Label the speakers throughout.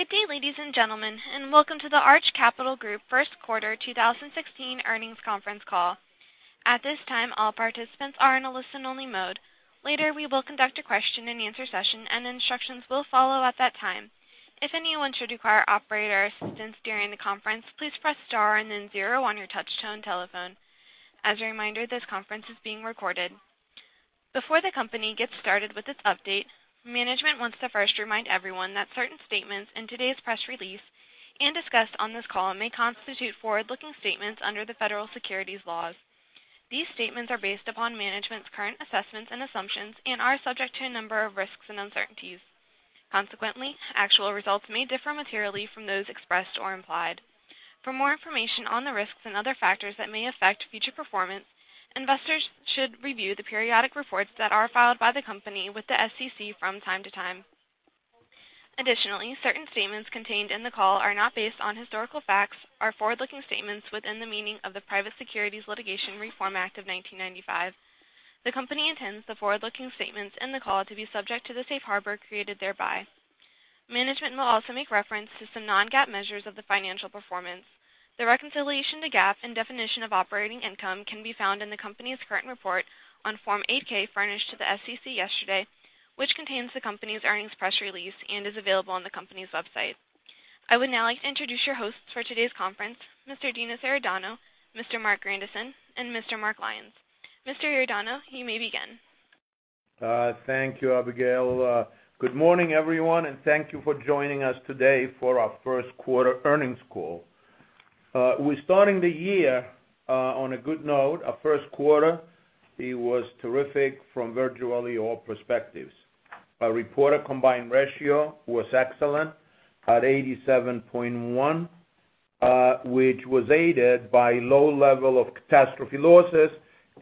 Speaker 1: Good day, ladies and gentlemen, and welcome to the Arch Capital Group first quarter 2016 earnings conference call. At this time, all participants are in a listen only mode. Later, we will conduct a question and answer session and instructions will follow at that time. If anyone should require operator assistance during the conference, please press star and then zero on your touch-tone telephone. As a reminder, this conference is being recorded. Before the company gets started with its update, management wants to first remind everyone that certain statements in today's press release and discussed on this call may constitute forward-looking statements under the federal securities laws. These statements are based upon management's current assessments and assumptions and are subject to a number of risks and uncertainties. Consequently, actual results may differ materially from those expressed or implied. For more information on the risks and other factors that may affect future performance, investors should review the periodic reports that are filed by the company with the SEC from time to time. Additionally, certain statements contained in the call are not based on historical facts are forward-looking statements within the meaning of the Private Securities Litigation Reform Act of 1995. The company intends the forward-looking statements in the call to be subject to the safe harbor created thereby. Management will also make reference to some non-GAAP measures of the financial performance. The reconciliation to GAAP and definition of operating income can be found in the company's current report on Form 8-K furnished to the SEC yesterday, which contains the company's earnings press release and is available on the company's website. I would now like to introduce your hosts for today's conference, Mr. Dinos Iordanou, Mr. Marc Grandisson, and Mr. Mark Lyons. Mr. Dinos Iordanou, you may begin.
Speaker 2: Thank you, Abigail. Good morning, everyone, and thank you for joining us today for our first quarter earnings call. We're starting the year on a good note. Our first quarter, it was terrific from virtually all perspectives. Our reported combined ratio was excellent at 87.1, which was aided by low level of catastrophe losses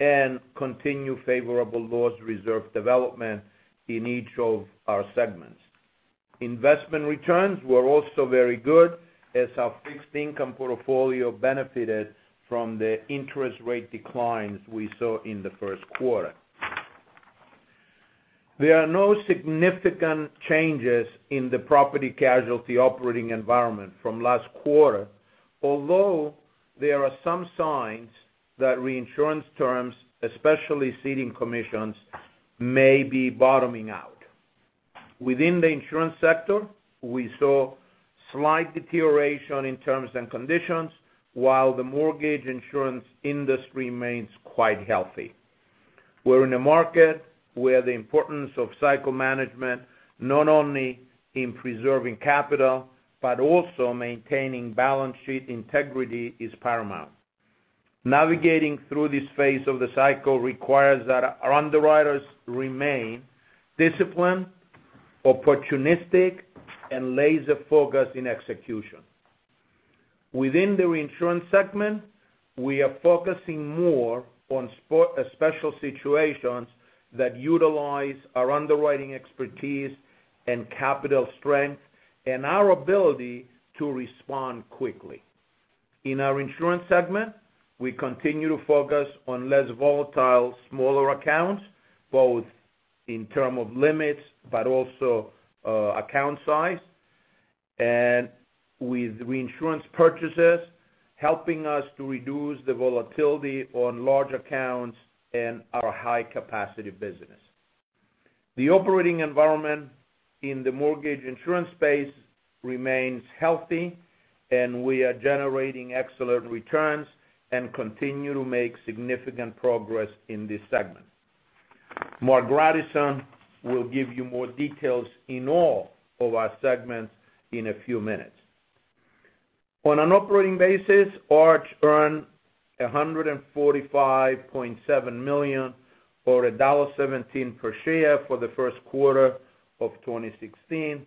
Speaker 2: and continued favorable loss reserve development in each of our segments. Investment returns were also very good as our fixed income portfolio benefited from the interest rate declines we saw in the first quarter. There are no significant changes in the Property and Casualty operating environment from last quarter, although there are some signs that reinsurance terms, especially ceding commissions, may be bottoming out. Within the insurance sector, we saw slight deterioration in terms and conditions, while the Mortgage Insurance industry remains quite healthy. We're in a market where the importance of cycle management, not only in preserving capital, but also maintaining balance sheet integrity, is paramount. Navigating through this phase of the cycle requires that our underwriters remain disciplined, opportunistic, and laser focused in execution. Within the reinsurance segment, we are focusing more on special situations that utilize our underwriting expertise and capital strength and our ability to respond quickly. In our insurance segment, we continue to focus on less volatile, smaller accounts, both in term of limits, but also account size, and with reinsurance purchases helping us to reduce the volatility on large accounts and our high capacity business. The operating environment in the mortgage insurance space remains healthy, and we are generating excellent returns and continue to make significant progress in this segment. Marc Grandisson will give you more details in all of our segments in a few minutes. On an operating basis, Arch earned $145.7 million or $1.17 per share for the first quarter of 2016,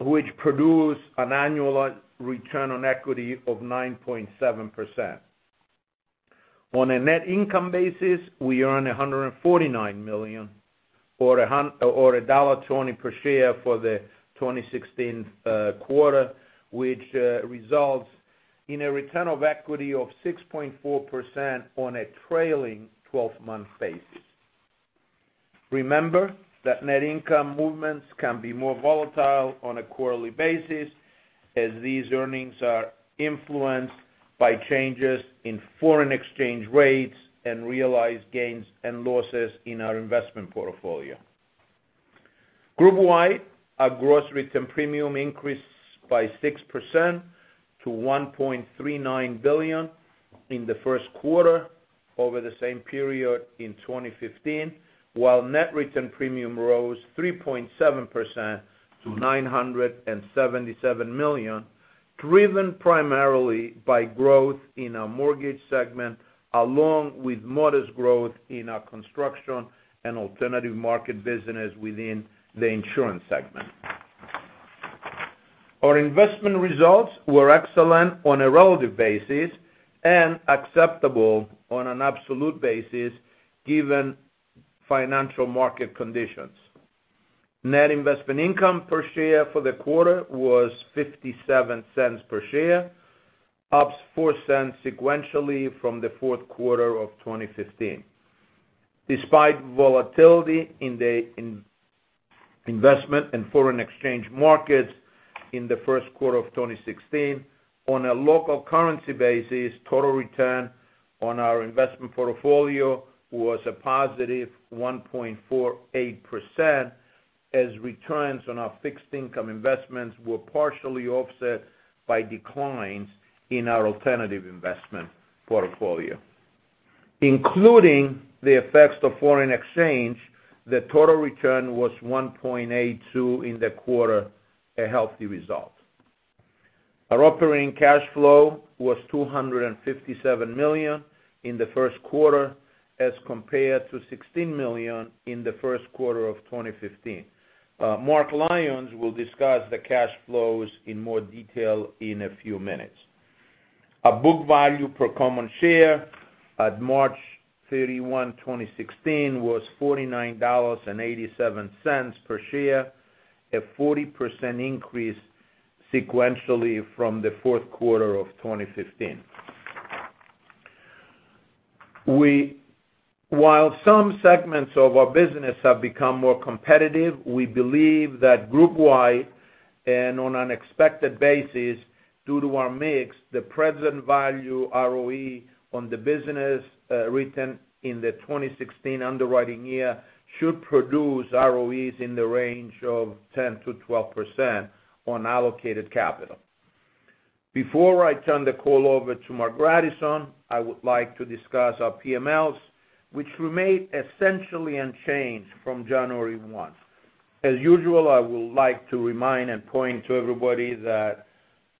Speaker 2: which produced an annualized return on equity of 9.7%. On a net income basis, we earn $149 million or $1.20 per share for the 2016 quarter, which results in a return of equity of 6.4% on a trailing 12-month basis. Remember that net income movements can be more volatile on a quarterly basis as these earnings are influenced by changes in foreign exchange rates and realized gains and losses in our investment portfolio. Group wide, our gross written premium increased by 6% to $1.39 billion in the first quarter over the same period in 2015, while net written premium rose 3.7% to $977 million, driven primarily by growth in our mortgage segment, along with modest growth in our construction and alternative market business within the insurance segment. Our investment results were excellent on a relative basis and acceptable on an absolute basis given financial market conditions. Net investment income per share for the quarter was $0.57 per share, ups $0.04 sequentially from the fourth quarter of 2015. Despite volatility in the investment and foreign exchange markets in the first quarter of 2016, on a local currency basis, total return on our investment portfolio was a positive 1.48% as returns on our fixed income investments were partially offset by declines in our alternative investment portfolio. Including the effects of foreign exchange, the total return was 1.82% in the quarter, a healthy result. Our operating cash flow was $257 million in the first quarter as compared to $16 million in the first quarter of 2015. Mark Lyons will discuss the cash flows in more detail in a few minutes. Our book value per common share at March 31, 2016, was $49.87 per share, a 40% increase sequentially from the fourth quarter of 2015. While some segments of our business have become more competitive, we believe that Group wide and on an expected basis, due to our mix, the present value ROE on the business written in the 2016 underwriting year should produce ROEs in the range of 10%-12% on allocated capital. Before I turn the call over to Marc Grandisson, I would like to discuss our PMLs, which remain essentially unchanged from January 1. As usual, I would like to remind and point to everybody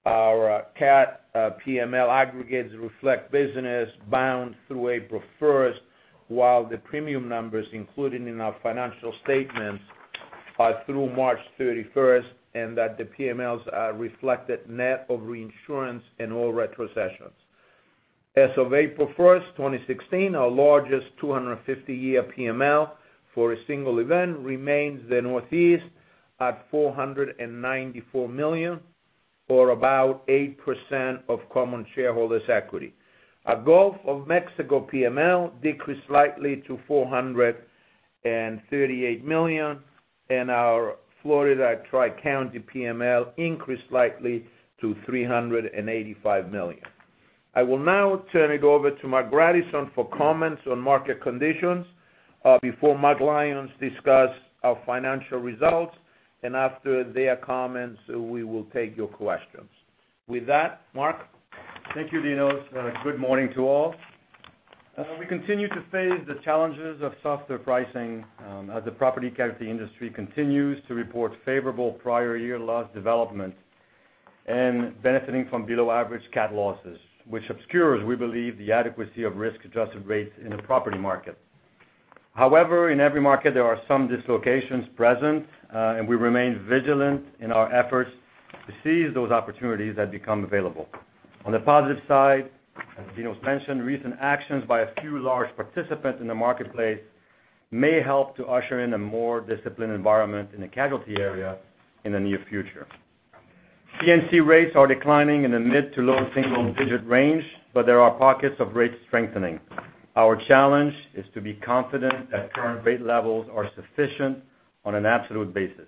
Speaker 2: that our cat PML aggregates reflect business bound through April 1st, while the premium numbers included in our financial statements are through March 31st, and that the PMLs are reflected net of reinsurance and all retrocessions. As of April 1, 2016, our largest 250-year PML for a single event remains the Northeast at $494 million, or about 8% of common shareholders' equity. Our Gulf of Mexico PML decreased slightly to $438 million, and our Florida Tri-County PML increased slightly to $385 million. I will now turn it over to Marc Grandisson for comments on market conditions before Mark Lyons discusses our financial results. After their comments, we will take your questions. With that, Marc?
Speaker 3: Thank you, Dinos. Good morning to all. We continue to face the challenges of softer pricing as the property casualty industry continues to report favorable prior year loss development and benefiting from below average cat losses, which obscures, we believe, the adequacy of risk-adjusted rates in the property market. However, in every market, there are some dislocations present, and we remain vigilant in our efforts to seize those opportunities that become available. On the positive side, as Dinos mentioned, recent actions by a few large participants in the marketplace may help to usher in a more disciplined environment in the casualty area in the near future. P&C rates are declining in the mid to low single-digit range, but there are pockets of rate strengthening. Our challenge is to be confident that current rate levels are sufficient on an absolute basis.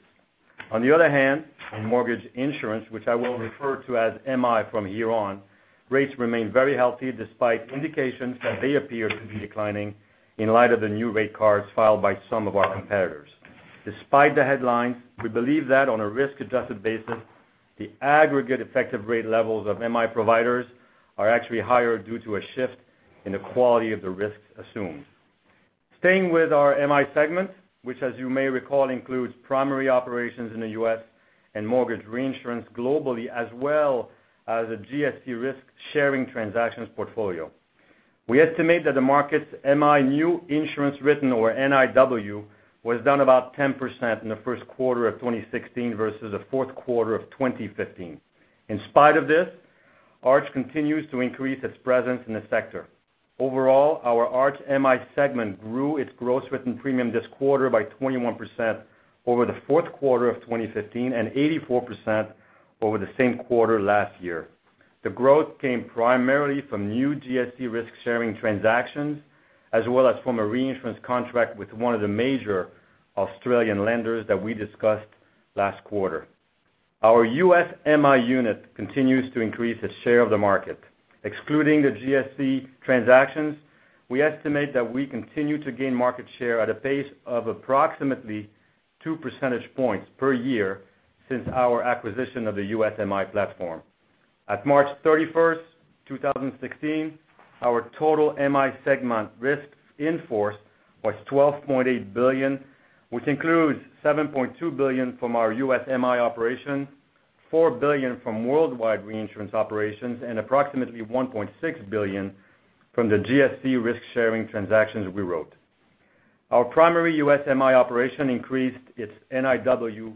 Speaker 3: On the other hand, in mortgage insurance, which I will refer to as MI from here on, rates remain very healthy despite indications that they appear to be declining in light of the new rate cards filed by some of our competitors. Despite the headlines, we believe that on a risk-adjusted basis, the aggregate effective rate levels of MI providers are actually higher due to a shift in the quality of the risks assumed. Staying with our MI segment, which as you may recall, includes primary operations in the U.S. and mortgage reinsurance globally, as well as a GSE risk-sharing transactions portfolio. We estimate that the market's MI new insurance written or NIW was down about 10% in the first quarter of 2016 versus the fourth quarter of 2015. In spite of this, Arch continues to increase its presence in the sector. Overall, our Arch MI segment grew its gross written premium this quarter by 21% over the fourth quarter of 2015 and 84% over the same quarter last year. The growth came primarily from new GSE risk-sharing transactions, as well as from a reinsurance contract with one of the major Australian lenders that we discussed last quarter. Our U.S. MI unit continues to increase its share of the market. Excluding the GSE transactions, we estimate that we continue to gain market share at a pace of approximately two percentage points per year since our acquisition of the U.S. MI platform. At March 31, 2016, our total MI segment risks in force was $12.8 billion, which includes $7.2 billion from our U.S. MI operation, $4 billion from worldwide reinsurance operations, and approximately $1.6 billion from the GSE risk-sharing transactions we wrote. Our primary U.S. MI operation increased its NIW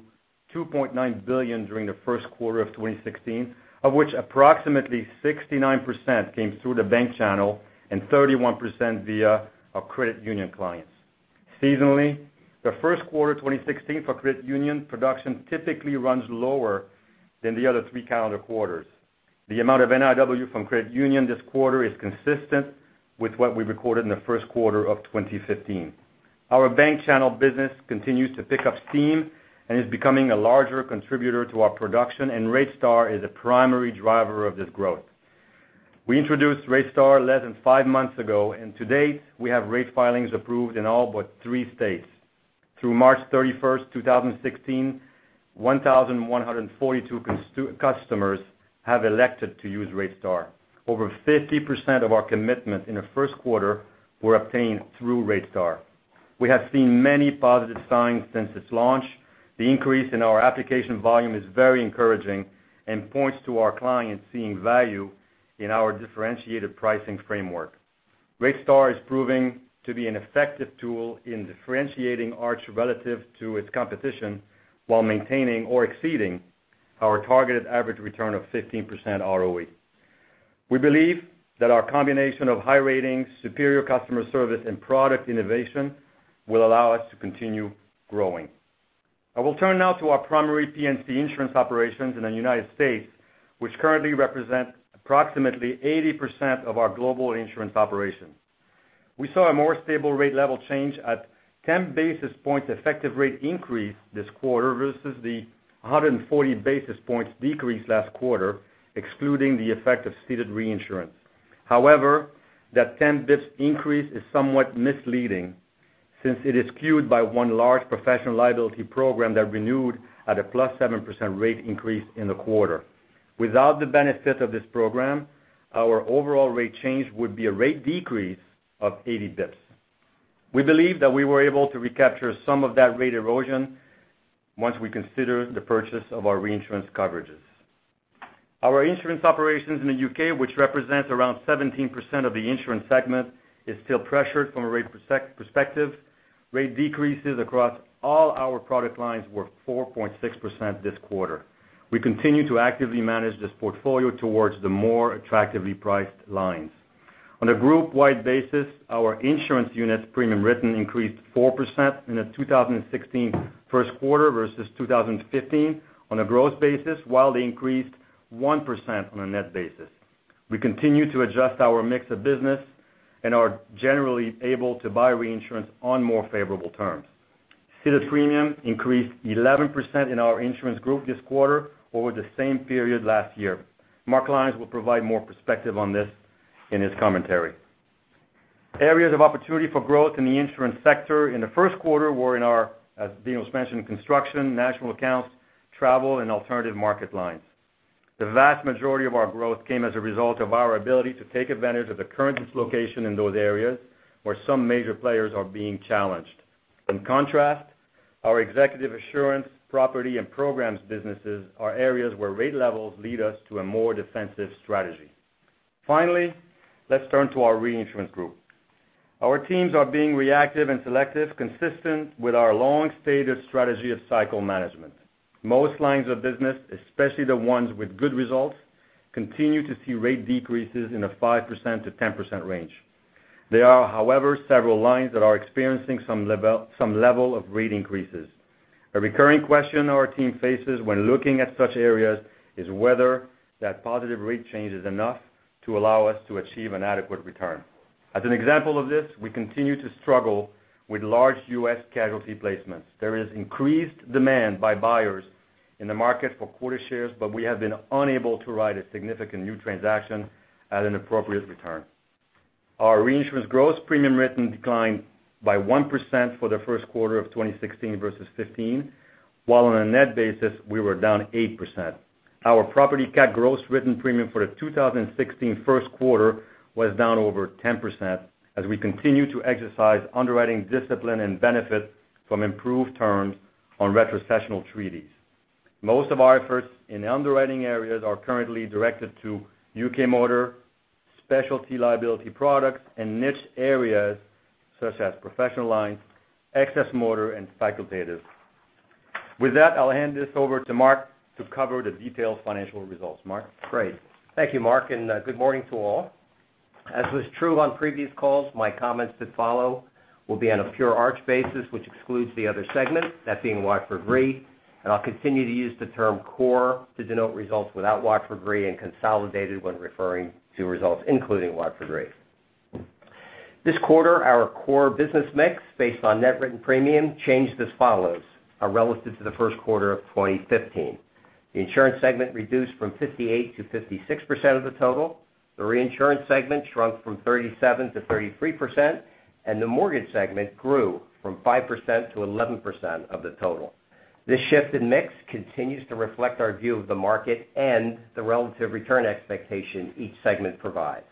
Speaker 3: $2.9 billion during the first quarter of 2016, of which approximately 69% came through the bank channel and 31% via our credit union clients. Seasonally, the first quarter 2016 for credit union production typically runs lower than the other three calendar quarters. The amount of NIW from credit union this quarter is consistent with what we recorded in the first quarter of 2015. RateStar is a primary driver of this growth. We introduced RateStar less than five months ago, and to date, we have rate filings approved in all but three states. Through March 31st, 2016, 1,142 customers have elected to use RateStar. Over 50% of our commitments in the first quarter were obtained through RateStar. We have seen many positive signs since its launch. The increase in our application volume is very encouraging and points to our clients seeing value in our differentiated pricing framework. RateStar is proving to be an effective tool in differentiating Arch relative to its competition while maintaining or exceeding our targeted average return of 15% ROE. We believe that our combination of high ratings, superior customer service, and product innovation will allow us to continue growing. I will turn now to our primary P&C insurance operations in the United States, which currently represent approximately 80% of our global insurance operations. We saw a more stable rate level change at 10 basis points effective rate increase this quarter versus the 140 basis points decrease last quarter, excluding the effect of ceded reinsurance. That 10 basis points increase is somewhat misleading since it is skewed by one large professional liability program that renewed at a +7% rate increase in the quarter. Without the benefit of this program, our overall rate change would be a rate decrease of 80 basis points. We believe that we were able to recapture some of that rate erosion once we consider the purchase of our reinsurance coverages. Our insurance operations in the U.K., which represents around 17% of the insurance segment, is still pressured from a rate perspective. Rate decreases across all our product lines were 4.6% this quarter. We continue to actively manage this portfolio towards the more attractively priced lines. On a group-wide basis, our insurance unit premium written increased 4% in the 2016 first quarter versus 2015 on a growth basis, while they increased 1% on a net basis. We continue to adjust our mix of business and are generally able to buy reinsurance on more favorable terms. Ceded premium increased 11% in our insurance group this quarter over the same period last year. Mark Lyons will provide more perspective on this in his commentary. Areas of opportunity for growth in the insurance sector in the first quarter were in our, as Dinos mentioned, construction, national accounts, travel, and alternative market lines. The vast majority of our growth came as a result of our ability to take advantage of the current dislocation in those areas where some major players are being challenged. In contrast, our executive assurance, property, and programs businesses are areas where rate levels lead us to a more defensive strategy. Let's turn to our reinsurance group. Our teams are being reactive and selective, consistent with our long-stated strategy of cycle management. Most lines of business, especially the ones with good results, continue to see rate decreases in the 5%-10% range. There are, however, several lines that are experiencing some level of rate increases. A recurring question our team faces when looking at such areas is whether that positive rate change is enough to allow us to achieve an adequate return. As an example of this, we continue to struggle with large U.S. casualty placements. There is increased demand by buyers in the market for quarter shares, but we have been unable to write a significant new transaction at an appropriate return. Our reinsurance gross premium written declined by 1% for the first quarter of 2016 versus 2015, while on a net basis, we were down 8%. Great. Thank you, Mark, and good morning to all. Our property cat gross written premium for the 2016 first quarter was down over 10% as we continue to exercise underwriting discipline and benefit from improved terms on retrocessional treaties. Most of our efforts in underwriting areas are currently directed to UK Motor, specialty liability products, and niche areas such as professional lines, excess motor, and facultatives. With that, I'll hand this over to Mark to cover the detailed financial results. Mark?
Speaker 4: Great. Thank you, Mark, and good morning to all. As was true on previous calls, my comments that follow will be on a pure Arch basis, which excludes the other segment, that being Watford Re. I'll continue to use the term core to denote results without Watford Re and consolidated when referring to results including Watford Re. This quarter, our core business mix based on net written premium changed as follows relative to the first quarter of 2015. The insurance segment reduced from 58%-56% of the total. The reinsurance segment shrunk from 37%-33%, and the mortgage segment grew from 5%-11% of the total. This shift in mix continues to reflect our view of the market and the relative return expectation each segment provides.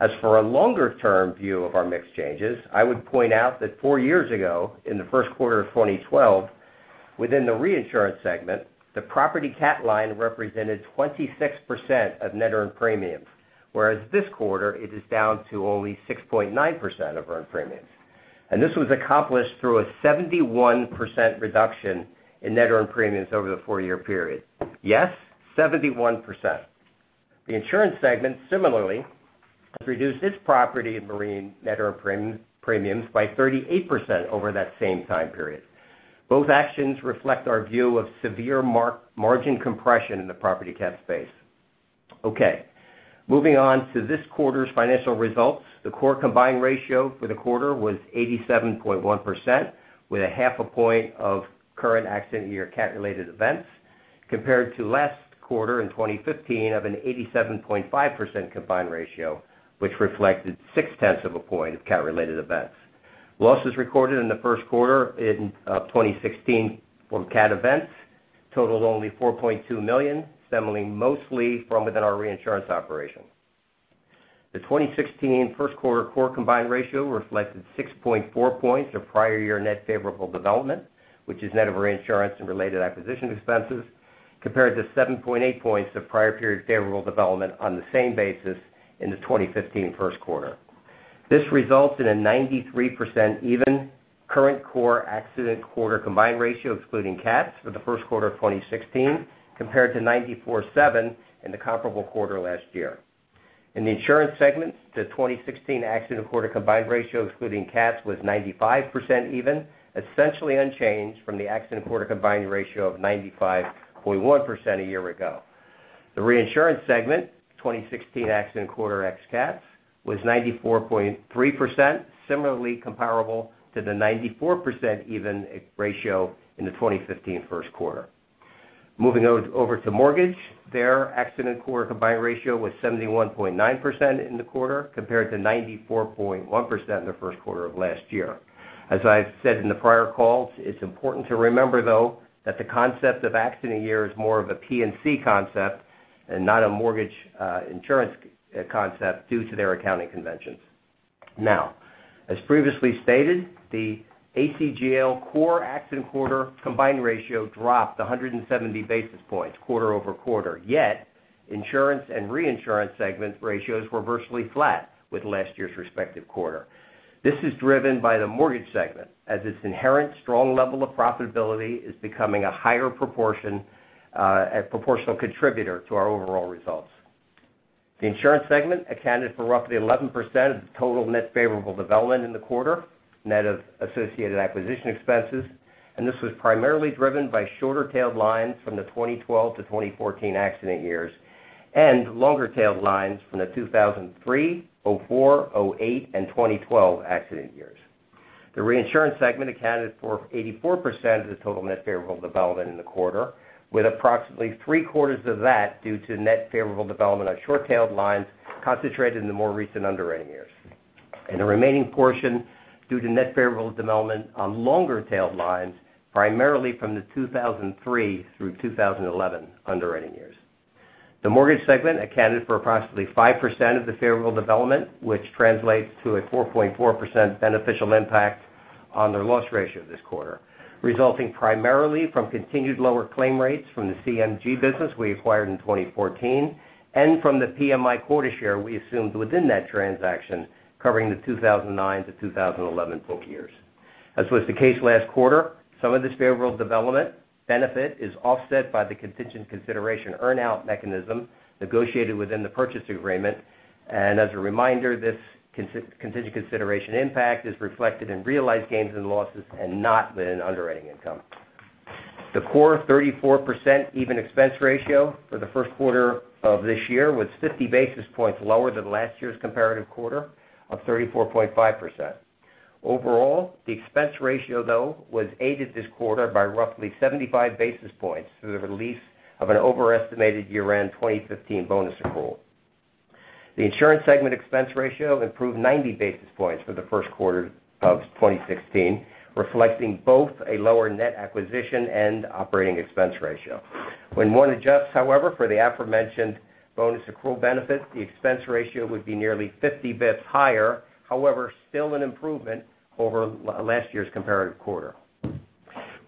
Speaker 4: As for a longer-term view of our mix changes, I would point out that four years ago, in the first quarter of 2012, within the reinsurance segment, the property cat line represented 26% of net earned premiums, whereas this quarter, it is down to only 6.9% of earned premiums. This was accomplished through a 71% reduction in net earned premiums over the four-year period. Yes, 71%. The insurance segment similarly has reduced its property and marine net earned premiums by 38% over that same time period. Both actions reflect our view of severe margin compression in the property cat space. Moving on to this quarter's financial results. The core combined ratio for the quarter was 87.1%, with a half a point of current accident year cat-related events, compared to last quarter in 2015 of an 87.5% combined ratio, which reflected six tenths of a point of cat-related events. Losses recorded in the first quarter in 2016 from cat events totaled only $4.2 million, stemming mostly from within our reinsurance operations. The 2016 first quarter core combined ratio reflected 6.4 points of prior year net favorable development, which is net of reinsurance and related acquisition expenses, compared to 7.8 points of prior period favorable development on the same basis in the 2015 first quarter. This results in a 93% even current core accident quarter combined ratio excluding cats for the first quarter of 2016, compared to 94.7% in the comparable quarter last year. In the insurance segment, the 2016 accident quarter combined ratio excluding cats was 95% even, essentially unchanged from the accident quarter combined ratio of 95.1% a year ago. The reinsurance segment 2016 accident quarter ex cats was 94.3%, similarly comparable to the 94% even ratio in the 2015 first quarter. Moving over to mortgage, their accident core combined ratio was 71.9% in the quarter compared to 94.1% in the first quarter of last year. As I've said in the prior calls, it's important to remember though, that the concept of accident year is more of a P&C concept and not a mortgage insurance concept due to their accounting conventions. As previously stated, the ACGL core accident quarter combined ratio dropped 170 basis points quarter-over-quarter, yet insurance and reinsurance segment ratios were virtually flat with last year's respective quarter. This is driven by the mortgage segment, as its inherent strong level of profitability is becoming a higher proportional contributor to our overall results. The insurance segment accounted for roughly 11% of the total net favorable development in the quarter, net of associated acquisition expenses, this was primarily driven by shorter-tailed lines from the 2012-2014 accident years, and longer-tailed lines from the 2003, 2004, 2008, and 2012 accident years. The reinsurance segment accounted for 84% of the total net favorable development in the quarter, with approximately three-quarters of that due to net favorable development on short-tailed lines concentrated in the more recent underwriting years, and the remaining portion due to net favorable development on longer-tailed lines, primarily from the 2003-2011 underwriting years. The mortgage segment accounted for approximately 5% of the favorable development, which translates to a 4.4% beneficial impact on their loss ratio this quarter, resulting primarily from continued lower claim rates from the CMG business we acquired in 2014 and from the PMI quota share we assumed within that transaction covering the 2009-2011 book years. As was the case last quarter, some of this favorable development benefit is offset by the contingent consideration earn-out mechanism negotiated within the purchase agreement. As a reminder, this contingent consideration impact is reflected in realized gains and losses and not within underwriting income. The core 34% even expense ratio for the first quarter of this year was 50 basis points lower than last year's comparative quarter of 34.5%. Overall, the expense ratio, though, was aided this quarter by roughly 75 basis points through the release of an overestimated year-end 2015 bonus accrual. The insurance segment expense ratio improved 90 basis points for the first quarter of 2016, reflecting both a lower net acquisition and operating expense ratio. When one adjusts, however, for the aforementioned bonus accrual benefit, the expense ratio would be nearly 50 basis points higher, however, still an improvement over last year's comparative quarter.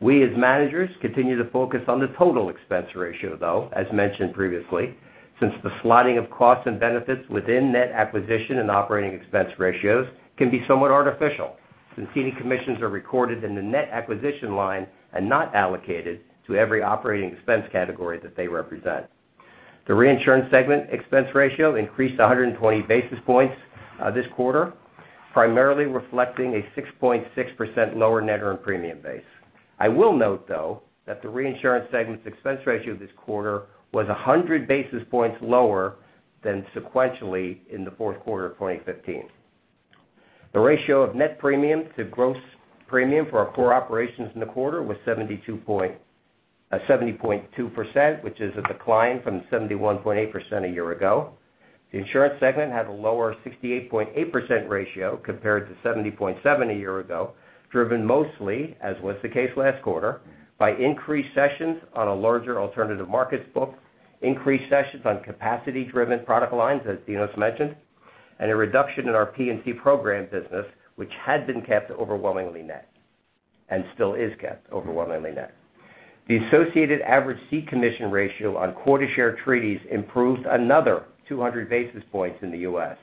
Speaker 4: We, as managers, continue to focus on the total expense ratio, though, as mentioned previously, since the slotting of costs and benefits within net acquisition and operating expense ratios can be somewhat artificial since ceding commissions are recorded in the net acquisition line and not allocated to every operating expense category that they represent. The reinsurance segment expense ratio increased 120 basis points this quarter, primarily reflecting a 6.6% lower net earned premium base. I will note, though, that the reinsurance segment's expense ratio this quarter was 100 basis points lower than sequentially in the fourth quarter of 2015. The ratio of net premium to gross premium for our core operations in the quarter was 70.2%, which is a decline from the 71.8% a year ago. The insurance segment had a lower 68.8% ratio compared to 70.7% a year ago, driven mostly, as was the case last quarter, by increased cessions on a larger alternative markets book, increased cessions on capacity-driven product lines, as Dinos mentioned, and a reduction in our P&C program business, which had been kept overwhelmingly net and still is kept overwhelmingly net. The associated average ceding commission ratio on quota share treaties improved another 200 basis points in the U.S.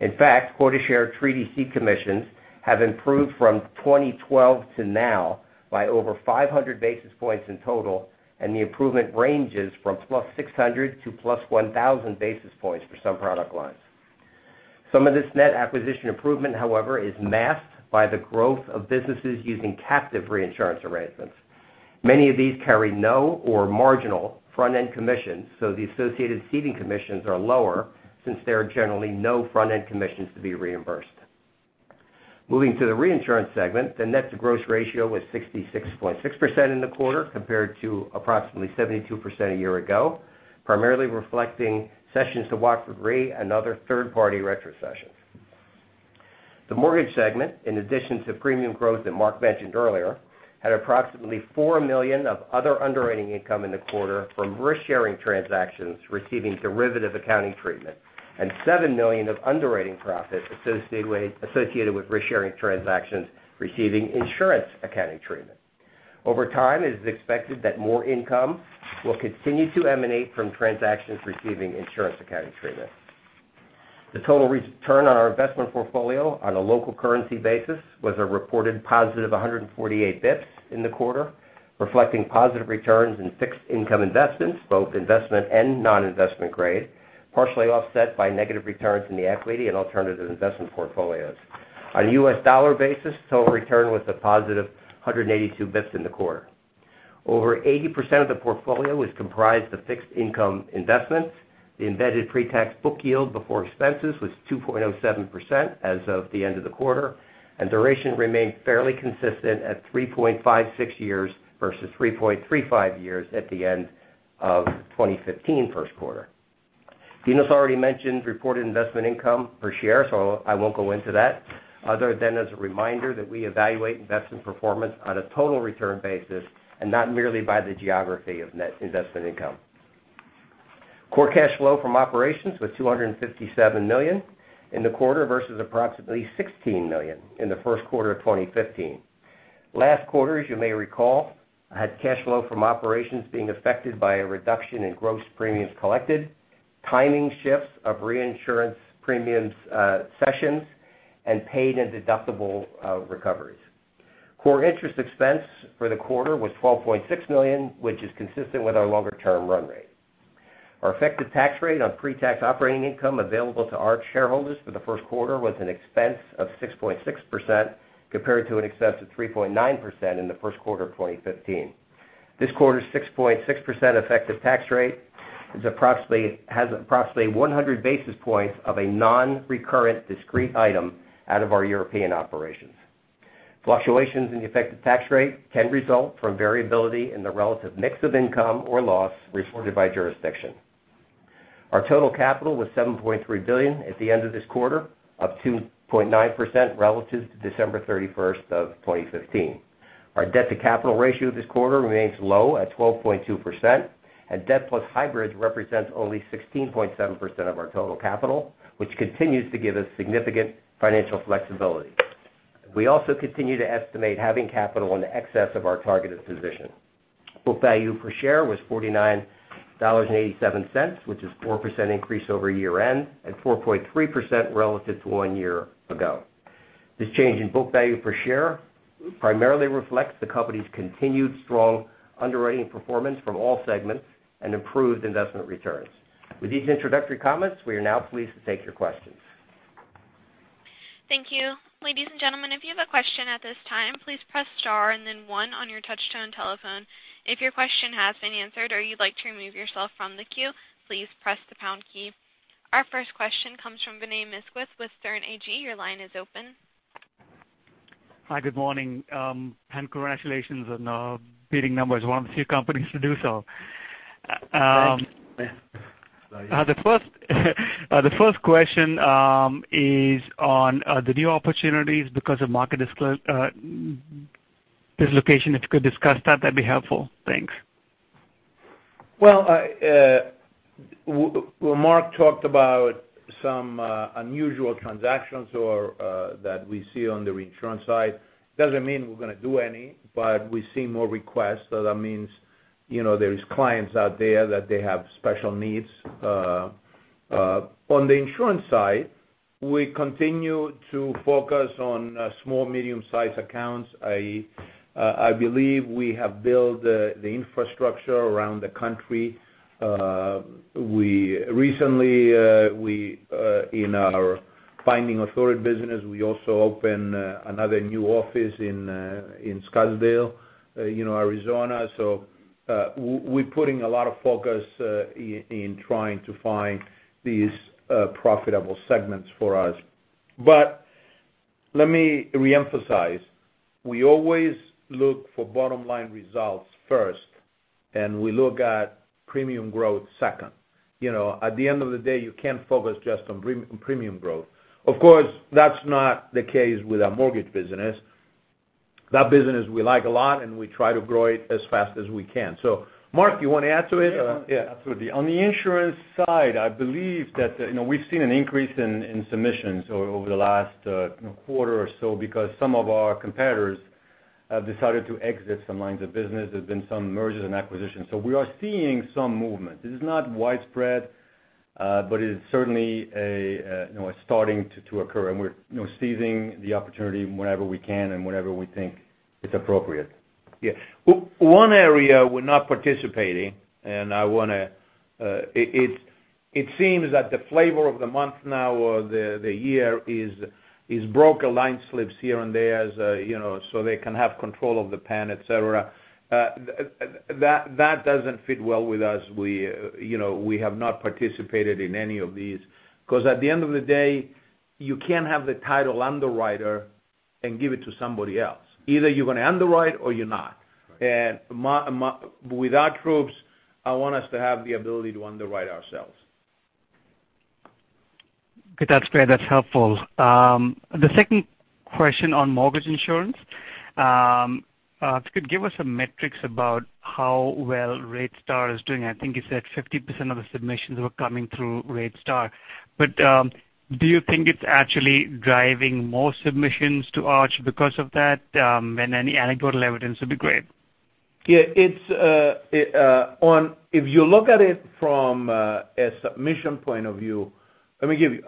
Speaker 4: In fact, quota share treaty c commissions have improved from 2012 to now by over 500 basis points in total, and the improvement ranges from +600 to +1,000 basis points for some product lines. Some of this net acquisition improvement, however, is masked by the growth of businesses using captive reinsurance arrangements. Many of these carry no or marginal front-end commissions, so the associated ceding commissions are lower since there are generally no front-end commissions to be reimbursed. Moving to the reinsurance segment, the net to gross ratio was 66.6% in the quarter, compared to approximately 72% a year ago, primarily reflecting cessions to Watford Re and other third-party retrocessions. The mortgage segment, in addition to premium growth that Mark mentioned earlier, had approximately $4 million of other underwriting income in the quarter from risk-sharing transactions receiving derivative accounting treatment, and $7 million of underwriting profit associated with risk-sharing transactions receiving insurance accounting treatment. Over time, it is expected that more income will continue to emanate from transactions receiving insurance accounting treatment. The total return on our investment portfolio on a local currency basis was a reported positive 148 basis points in the quarter, reflecting positive returns in fixed income investments, both investment and non-investment grade, partially offset by negative returns in the equity and alternative investment portfolios. On a U.S. dollar basis, total return was a positive 182 basis points in the quarter. Over 80% of the portfolio was comprised of fixed income investments. The embedded pre-tax book yield before expenses was 2.07% as of the end of the quarter. Duration remained fairly consistent at 3.56 years versus 3.35 years at the end of 2015 first quarter. Dinos already mentioned reported investment income per share. I won't go into that other than as a reminder that we evaluate investment performance on a total return basis and not merely by the geography of net investment income. Core cash flow from operations was $257 million in the quarter versus approximately $16 million in the first quarter of 2015. Last quarter, as you may recall, had cash flow from operations being affected by a reduction in gross premiums collected, timing shifts of reinsurance premiums cessions, and paid and deductible recoveries. Core interest expense for the quarter was $12.6 million, which is consistent with our longer-term run rate. Our effective tax rate on pre-tax operating income available to Arch shareholders for the first quarter was an expense of 6.6% compared to an expense of 3.9% in the first quarter of 2015. This quarter's 6.6% effective tax rate has approximately 100 basis points of a non-recurrent discrete item out of our European operations. Fluctuations in the effective tax rate can result from variability in the relative mix of income or loss reported by jurisdiction. Our total capital was $7.3 billion at the end of this quarter, up 2.9% relative to December 31st of 2015. Our debt-to-capital ratio this quarter remains low at 12.2%. Debt plus hybrids represents only 16.7% of our total capital, which continues to give us significant financial flexibility. We also continue to estimate having capital in excess of our targeted position. Book value per share was $49.87, which is 4% increase over year-end and 4.3% relative to one year ago. This change in book value per share primarily reflects the company's continued strong underwriting performance from all segments and improved investment returns. With these introductory comments, we are now pleased to take your questions.
Speaker 1: Thank you. Ladies and gentlemen, if you have a question at this time, please press star and then one on your touchtone telephone. If your question has been answered or you'd like to remove yourself from the queue, please press the pound key. Our first question comes from Vinay Misquith with Sterne Agee. Your line is open.
Speaker 5: Hi, good morning. Congratulations on beating numbers, one of the few companies to do so.
Speaker 2: Thank you.
Speaker 5: The first question is on the new opportunities because of market dislocation. If you could discuss that'd be helpful. Thanks.
Speaker 2: Well, Marc talked about some unusual transactions that we see on the reinsurance side. Doesn't mean we're going to do any, but we see more requests. That means there is clients out there that they have special needs. On the insurance side, we continue to focus on small, medium-sized accounts. I believe we have built the infrastructure around the country. Recently, in our finding authority business, we also opened another new office in Scottsdale, Arizona. We're putting a lot of focus in trying to find these profitable segments for us. Let me reemphasize, we always look for bottom-line results first, and we look at premium growth second. At the end of the day, you can't focus just on premium growth. Of course, that's not the case with our mortgage business. That business we like a lot, and we try to grow it as fast as we can. Mark, you want to add to it?
Speaker 3: Yeah, absolutely. On the insurance side, I believe that we've seen an increase in submissions over the last quarter or so because some of our competitors have decided to exit some lines of business. There's been some mergers and acquisitions. We are seeing some movement. This is not widespread, but it is certainly starting to occur, and we're seizing the opportunity whenever we can and whenever we think it's appropriate.
Speaker 2: Yeah. One area we're not participating, it seems that the flavor of the month now, or the year is broker line slips here and there, they can have control of the pen, et cetera. That doesn't fit well with us. We have not participated in any of these, because at the end of the day, you can't have the title underwriter and give it to somebody else. Either you're going to underwrite or you're not. Right. With our troops, I want us to have the ability to underwrite ourselves.
Speaker 5: Okay. That's fair. That's helpful. The second question on mortgage insurance. If you could give us some metrics about how well RateStar is doing. I think you said 50% of the submissions were coming through RateStar. Do you think it's actually driving more submissions to Arch because of that? Any anecdotal evidence would be great.
Speaker 2: Yeah. If you look at it from a submission point of view, let me give you.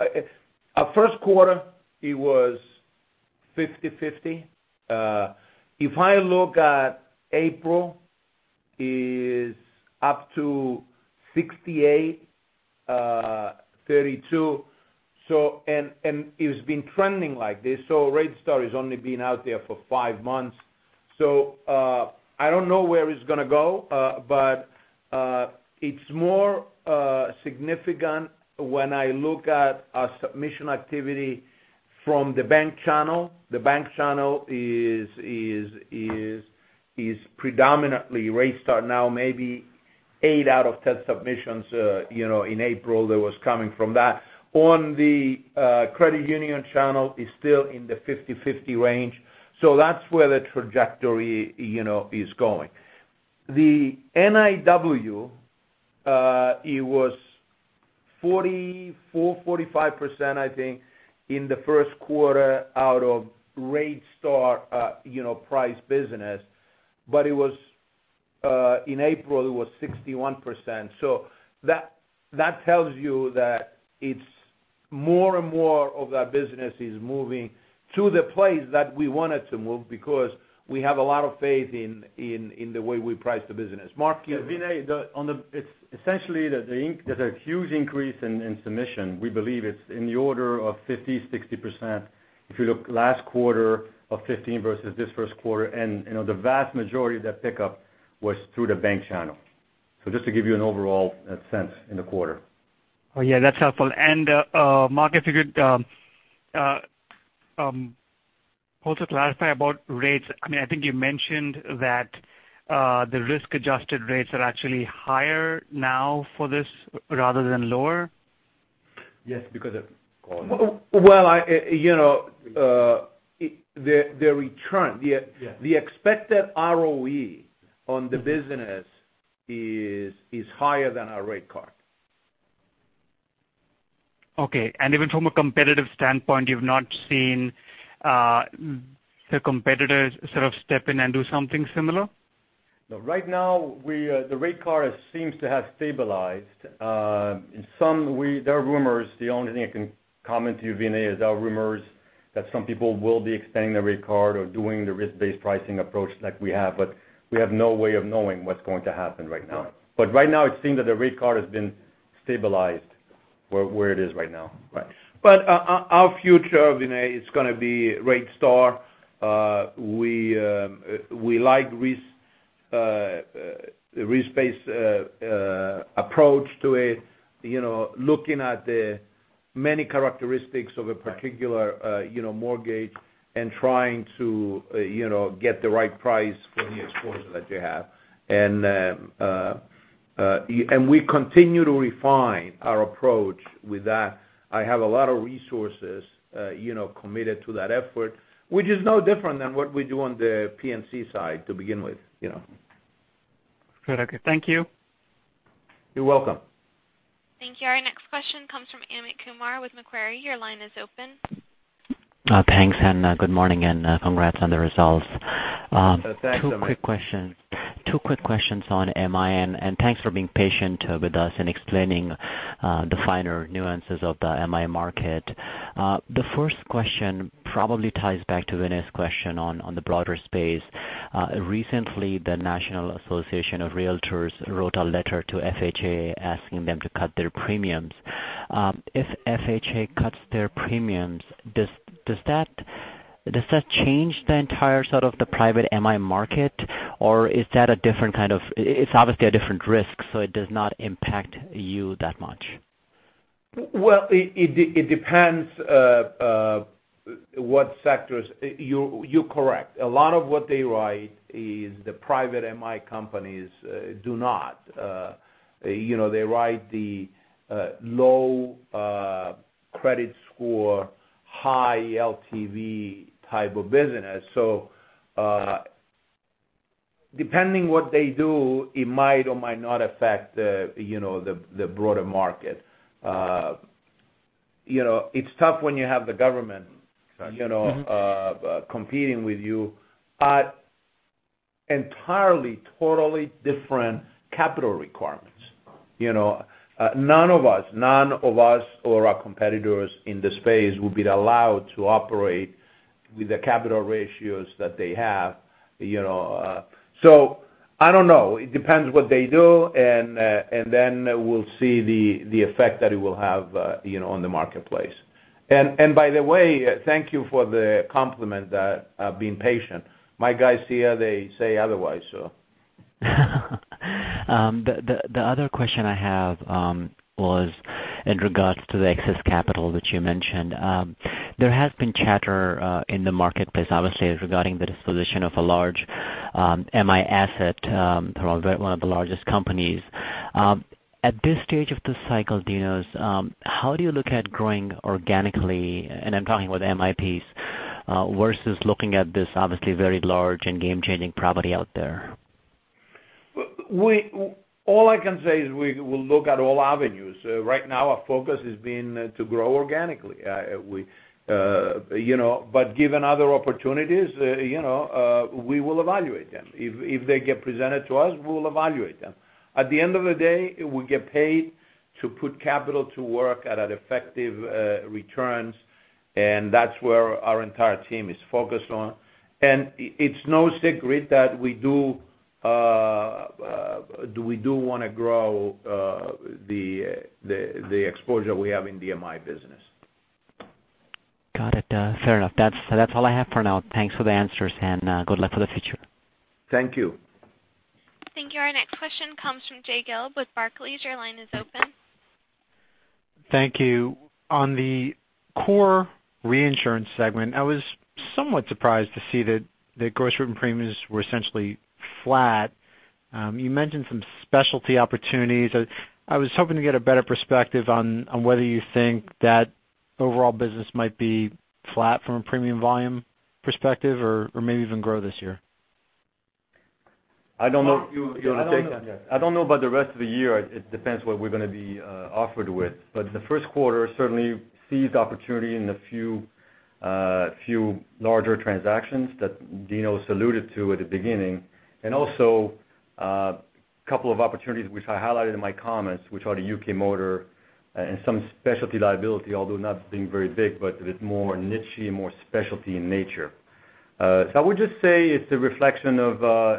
Speaker 2: At first quarter, it was 50/50. If I look at April, it is up to 68/32. It's been trending like this. RateStar has only been out there for five months. I don't know where it's going to go, but it's more significant when I look at our submission activity from the bank channel. The bank channel is predominantly RateStar now, maybe eight out of 10 submissions in April that was coming from that. On the credit union channel is still in the 50/50 range. That's where the trajectory is going. The NIW, it was 44%, 45%, I think, in the first quarter out of RateStar priced business. In April, it was 61%. That tells you that more and more of that business is moving to the place that we want it to move because we have a lot of faith in the way we price the business. Mark.
Speaker 3: Yeah, Vinay, essentially, there's a huge increase in submission. We believe it's in the order of 50%, 60%, if you look last quarter of 2015 versus this first quarter. The vast majority of that pickup was through the bank channel. Just to give you an overall sense in the quarter.
Speaker 5: Oh, yeah. That's helpful. Mark, if you could also clarify about rates. I think you mentioned that the risk-adjusted rates are actually higher now for this rather than lower.
Speaker 3: Yes, because of cost.
Speaker 2: Well, the return- Yeah the expected ROE on the business is higher than our rate card.
Speaker 5: Okay. Even from a competitive standpoint, you've not seen the competitors sort of step in and do something similar?
Speaker 3: No. Right now, the rate card seems to have stabilized. There are rumors. The only thing I can comment to you, Vinay, is there are rumors that some people will be extending the rate card or doing the risk-based pricing approach like we have. We have no way of knowing what's going to happen right now.
Speaker 5: Right.
Speaker 3: Right now, it seems that the rate card has been stabilized where it is right now.
Speaker 2: Right. Our future, Vinay, it's going to be RateStar. We like risk-based approach to it, looking at the many characteristics of a particular mortgage and trying to get the right price for the exposure that you have. We continue to refine our approach with that. I have a lot of resources committed to that effort, which is no different than what we do on the P&C side to begin with.
Speaker 5: Good. Okay. Thank you.
Speaker 2: You're welcome.
Speaker 1: Thank you. Our next question comes from Amit Kumar with Macquarie. Your line is open.
Speaker 6: Thanks, and good morning, and congrats on the results.
Speaker 2: Thanks, Amit.
Speaker 6: Two quick questions on MI, thanks for being patient with us and explaining the finer nuances of the MI market. The first question probably ties back to Vinay's question on the broader space. Recently, the National Association of Realtors wrote a letter to FHA asking them to cut their premiums. If FHA cuts their premiums, does that change the entire sort of the private MI market? It's obviously a different risk, so it does not impact you that much?
Speaker 2: Well, it depends what sectors. You're correct. A lot of what they write is the private MI companies do not. They write the low credit score, high LTV type of business. Depending what they do, it might or might not affect the broader market. It's tough when you have the government competing with you at entirely, totally different capital requirements. None of us or our competitors in the space would be allowed to operate with the capital ratios that they have. I don't know. It depends what they do, and then we'll see the effect that it will have on the marketplace. By the way, thank you for the compliment that being patient. My guys here, they say otherwise.
Speaker 6: The other question I have was in regards to the excess capital that you mentioned. There has been chatter in the marketplace, obviously, regarding the disposition of a large MI asset through one of the largest companies. At this stage of the cycle, Dinos, how do you look at growing organically, and I'm talking about MIPs versus looking at this obviously very large and game-changing property out there?
Speaker 2: All I can say is we will look at all avenues. Right now our focus has been to grow organically. Given other opportunities, we will evaluate them. If they get presented to us, we will evaluate them. At the end of the day, we get paid to put capital to work at effective returns, and that's where our entire team is focused on. It's no secret that we do want to grow the exposure we have in the MI business.
Speaker 6: Got it. Fair enough. That's all I have for now. Thanks for the answers and good luck for the future.
Speaker 2: Thank you.
Speaker 1: Thank you. Our next question comes from Jay Gelb with Barclays. Your line is open.
Speaker 7: Thank you. On the core reinsurance segment, I was somewhat surprised to see that the gross written premiums were essentially flat. You mentioned some specialty opportunities. I was hoping to get a better perspective on whether you think that overall business might be flat from a premium volume perspective or maybe even grow this year.
Speaker 2: I don't know. You want to take that?
Speaker 3: I don't know about the rest of the year. It depends what we're going to be offered with. The first quarter certainly seized opportunity in the few larger transactions that Dinos alluded to at the beginning, and also a couple of opportunities which I highlighted in my comments, which are the UK Motor and some specialty liability, although not being very big, but with more niche-y, more specialty in nature. I would just say it's a reflection of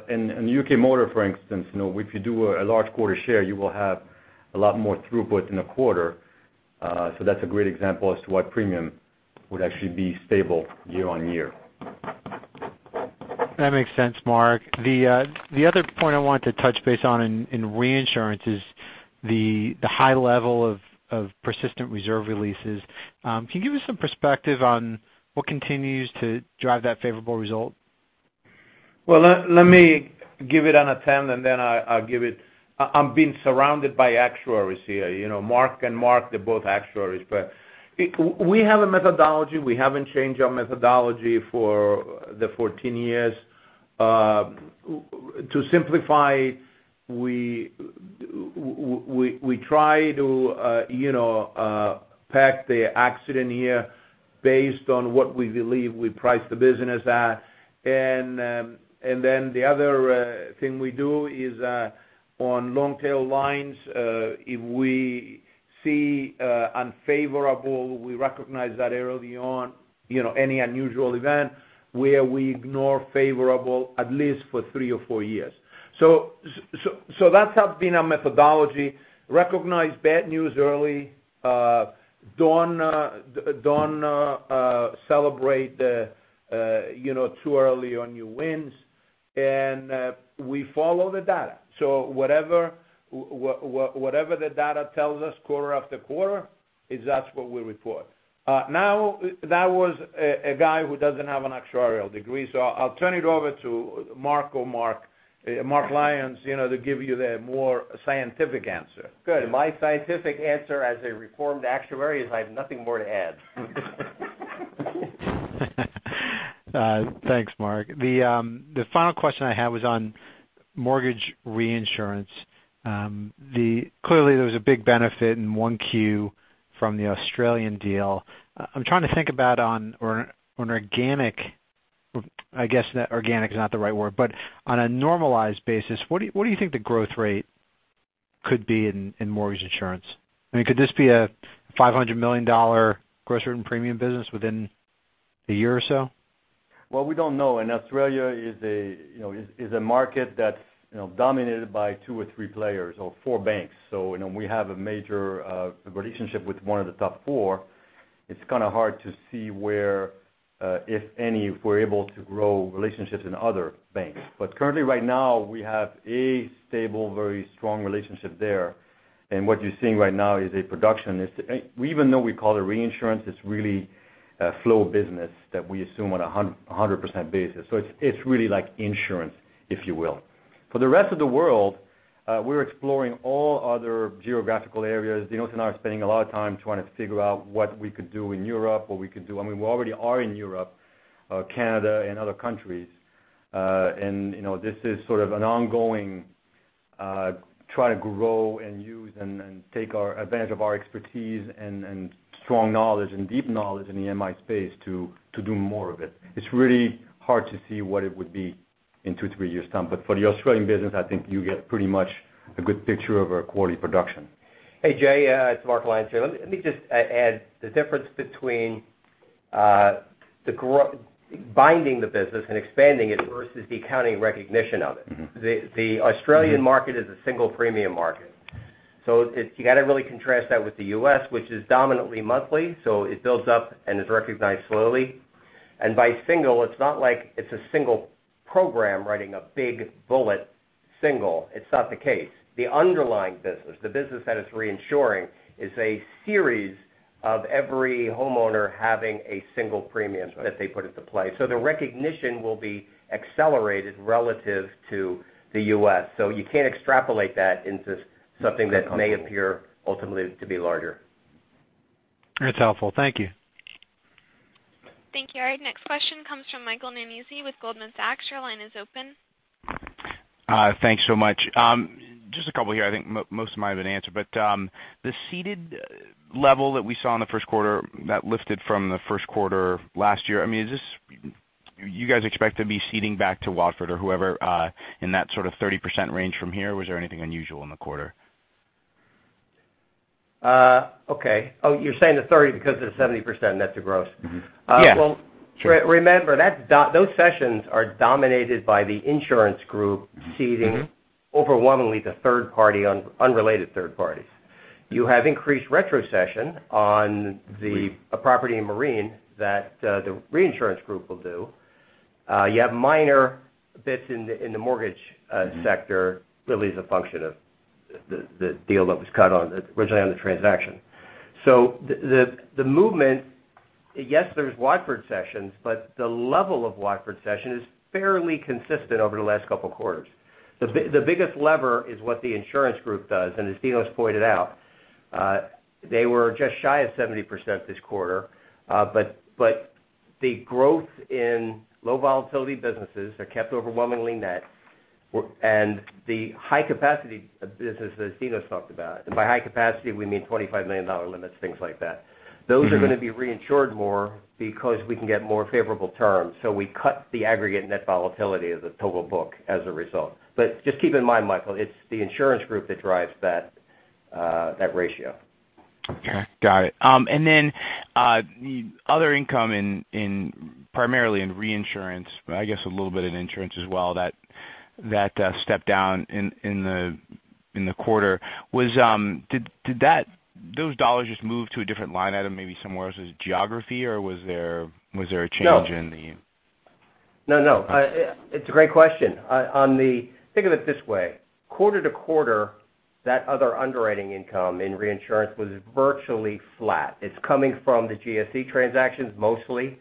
Speaker 3: in UK Motor, for instance, if you do a large quarter share, you will have a lot more throughput in a quarter. That's a great example as to why premium would actually be stable year-over-year.
Speaker 7: That makes sense, Marc. The other point I wanted to touch base on in reinsurance is the high level of persistent reserve releases. Can you give us some perspective on what continues to drive that favorable result?
Speaker 2: Well, let me give it an attempt, and then I'll give it. I'm being surrounded by actuaries here. Mark and Mark, they're both actuaries. We have a methodology. We haven't changed our methodology for the 14 years. To simplify, we try to pack the accident year based on what we believe we price the business at. The other thing we do is on long tail lines, if we see unfavorable, we recognize that early on, any unusual event where we ignore favorable at least for three or four years. That has been our methodology. Recognize bad news early. Don't celebrate too early on your wins. We follow the data. Whatever the data tells us quarter after quarter, that's what we report. Now, that was a guy who doesn't have an actuarial degree, so I'll turn it over to Mark or Mark Lyons to give you the more scientific answer.
Speaker 3: Good. My scientific answer as a reformed actuary is I have nothing more to add.
Speaker 7: Thanks, Mark. The final question I had was on mortgage reinsurance. Clearly, there was a big benefit in 1Q from the Australian deal. I'm trying to think about on an organic, I guess organic is not the right word, but on a normalized basis, what do you think the growth rate could be in mortgage insurance? I mean, could this be a $500 million gross written premium business within a year or so?
Speaker 3: We don't know. Australia is a market that's dominated by two or three players or four banks. We have a major relationship with one of the top four. It's kind of hard to see where if any, if we're able to grow relationships in other banks. Currently right now, we have a stable, very strong relationship there. What you're seeing right now is a production. Even though we call it reinsurance, it's really a flow of business that we assume on a 100% basis. So it's really like insurance, if you will. For the rest of the world- We're exploring all other geographical areas. Dinos and I are spending a lot of time trying to figure out what we could do in Europe, what we could do- We already are in Europe, Canada, and other countries. This is sort of an ongoing, try to grow and use and take advantage of our expertise and strong knowledge and deep knowledge in the MI space to do more of it. It's really hard to see what it would be in two, three years' time. For the Australian business, I think you get pretty much a good picture of our quality production.
Speaker 4: Hey, Jay, it's Mark Lyons here. Let me just add the difference between binding the business and expanding it versus the accounting recognition of it. The Australian market is a single premium market. You got to really contrast that with the U.S., which is dominantly monthly, so it builds up and is recognized slowly. By single, it's not like it's a single program writing a big bullet single. It's not the case. The underlying business, the business that it's reinsuring, is a series of every homeowner having a single premium-
Speaker 3: Right
Speaker 4: that they put into play. The recognition will be accelerated relative to the U.S. You can't extrapolate that into something that may appear ultimately to be larger.
Speaker 7: That's helpful. Thank you.
Speaker 1: Thank you. All right, next question comes from Michael Nannizzi with Goldman Sachs. Your line is open.
Speaker 8: Thanks so much. Just a couple here. I think most of mine have been answered. The ceded level that we saw in the first quarter, that lifted from the first quarter last year. I mean, do you guys expect to be ceding back to Watford or whoever in that sort of 30% range from here? Was there anything unusual in the quarter?
Speaker 4: Okay. Oh, you're saying the 30 because the 70%, that's a gross.
Speaker 8: Mm-hmm. Yeah.
Speaker 4: Well, remember, those cessions are dominated by the insurance group ceding overwhelmingly to third-party, unrelated third parties. You have increased retrocession on the-
Speaker 8: Right
Speaker 4: property and marine that the reinsurance group will do. You have minor bits in the mortgage sector- really as a function of the deal that was cut on, originally on the transaction. The movement, yes, there's Watford cessions, but the level of Watford cession is fairly consistent over the last couple of quarters. The biggest lever is what the insurance group does, and as Dinos pointed out, they were just shy of 70% this quarter. The growth in low volatility businesses are kept overwhelmingly net, and the high capacity business that Dinos talked about, and by high capacity, we mean $25 million limits, things like that. Those are going to be reinsured more because we can get more favorable terms. We cut the aggregate net volatility of the total book as a result. Just keep in mind, Michael, it's the insurance group that drives that ratio.
Speaker 8: Okay. Got it. Then the other income primarily in reinsurance, but I guess a little bit in insurance as well, that stepped down in the quarter. Did those dollars just move to a different line item, maybe somewhere else as geography, or was there a change in the-
Speaker 4: No. No, no. It's a great question. Think of it this way. Quarter to quarter, that other underwriting income in reinsurance was virtually flat. It's coming from the GSE transactions mostly.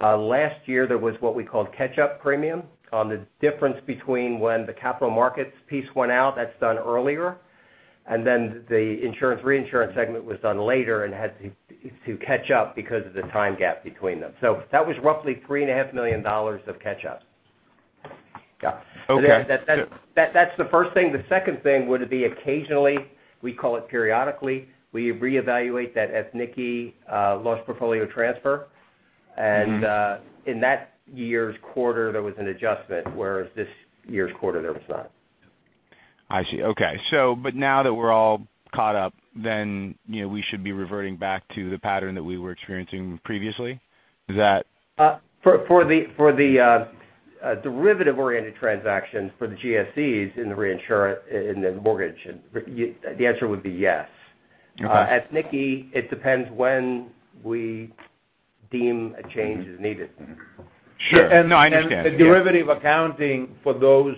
Speaker 4: Last year, there was what we called catch-up premium on the difference between when the capital markets piece went out, that's done earlier, and then the insurance/reinsurance segment was done later and had to catch up because of the time gap between them. That was roughly $3.5 million of catch-up. Yeah.
Speaker 8: Okay. Good.
Speaker 4: That's the first thing. The second thing would be occasionally, we call it periodically, we reevaluate that Ethniki lost portfolio transfer. In that year's quarter, there was an adjustment, whereas this year's quarter, there was not.
Speaker 8: I see. Okay. Now that we're all caught up, we should be reverting back to the pattern that we were experiencing previously. Is that?
Speaker 4: For the derivative-oriented transactions for the GSEs in the reinsurance, in the mortgage, the answer would be yes.
Speaker 8: Okay.
Speaker 4: Ethniki, it depends when we deem a change is needed.
Speaker 8: Sure. No, I understand. Yeah.
Speaker 3: The derivative accounting for those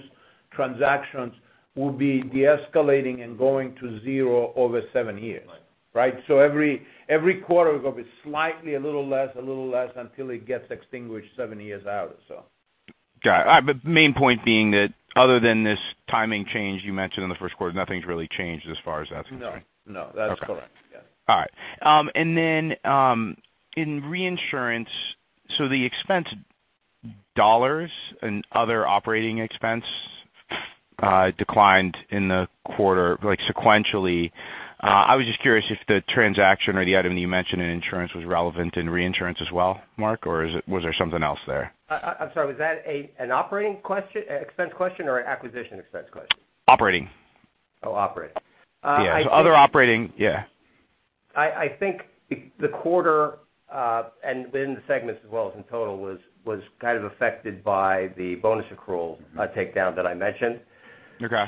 Speaker 3: transactions will be deescalating and going to zero over seven years.
Speaker 4: Right.
Speaker 3: Right? Every quarter, it's going to be slightly, a little less, a little less until it gets extinguished seven years out or so.
Speaker 8: Got it. Main point being that other than this timing change you mentioned in the first quarter, nothing's really changed as far as that's concerned.
Speaker 4: No. No, that's correct.
Speaker 8: Okay.
Speaker 4: Yeah.
Speaker 8: All right. In reinsurance, the expense dollars and other operating expense declined in the quarter sequentially. I was just curious if the transaction or the item that you mentioned in insurance was relevant in reinsurance as well, Mark, or was there something else there?
Speaker 4: I'm sorry, was that an operating expense question or an acquisition expense question?
Speaker 8: Operating.
Speaker 4: Oh, operating.
Speaker 8: Yeah.
Speaker 4: I think.
Speaker 8: Other operating, yeah.
Speaker 4: I think the quarter, and within the segments as well as in total was kind of affected by the bonus accrual takedown that I mentioned.
Speaker 8: Okay.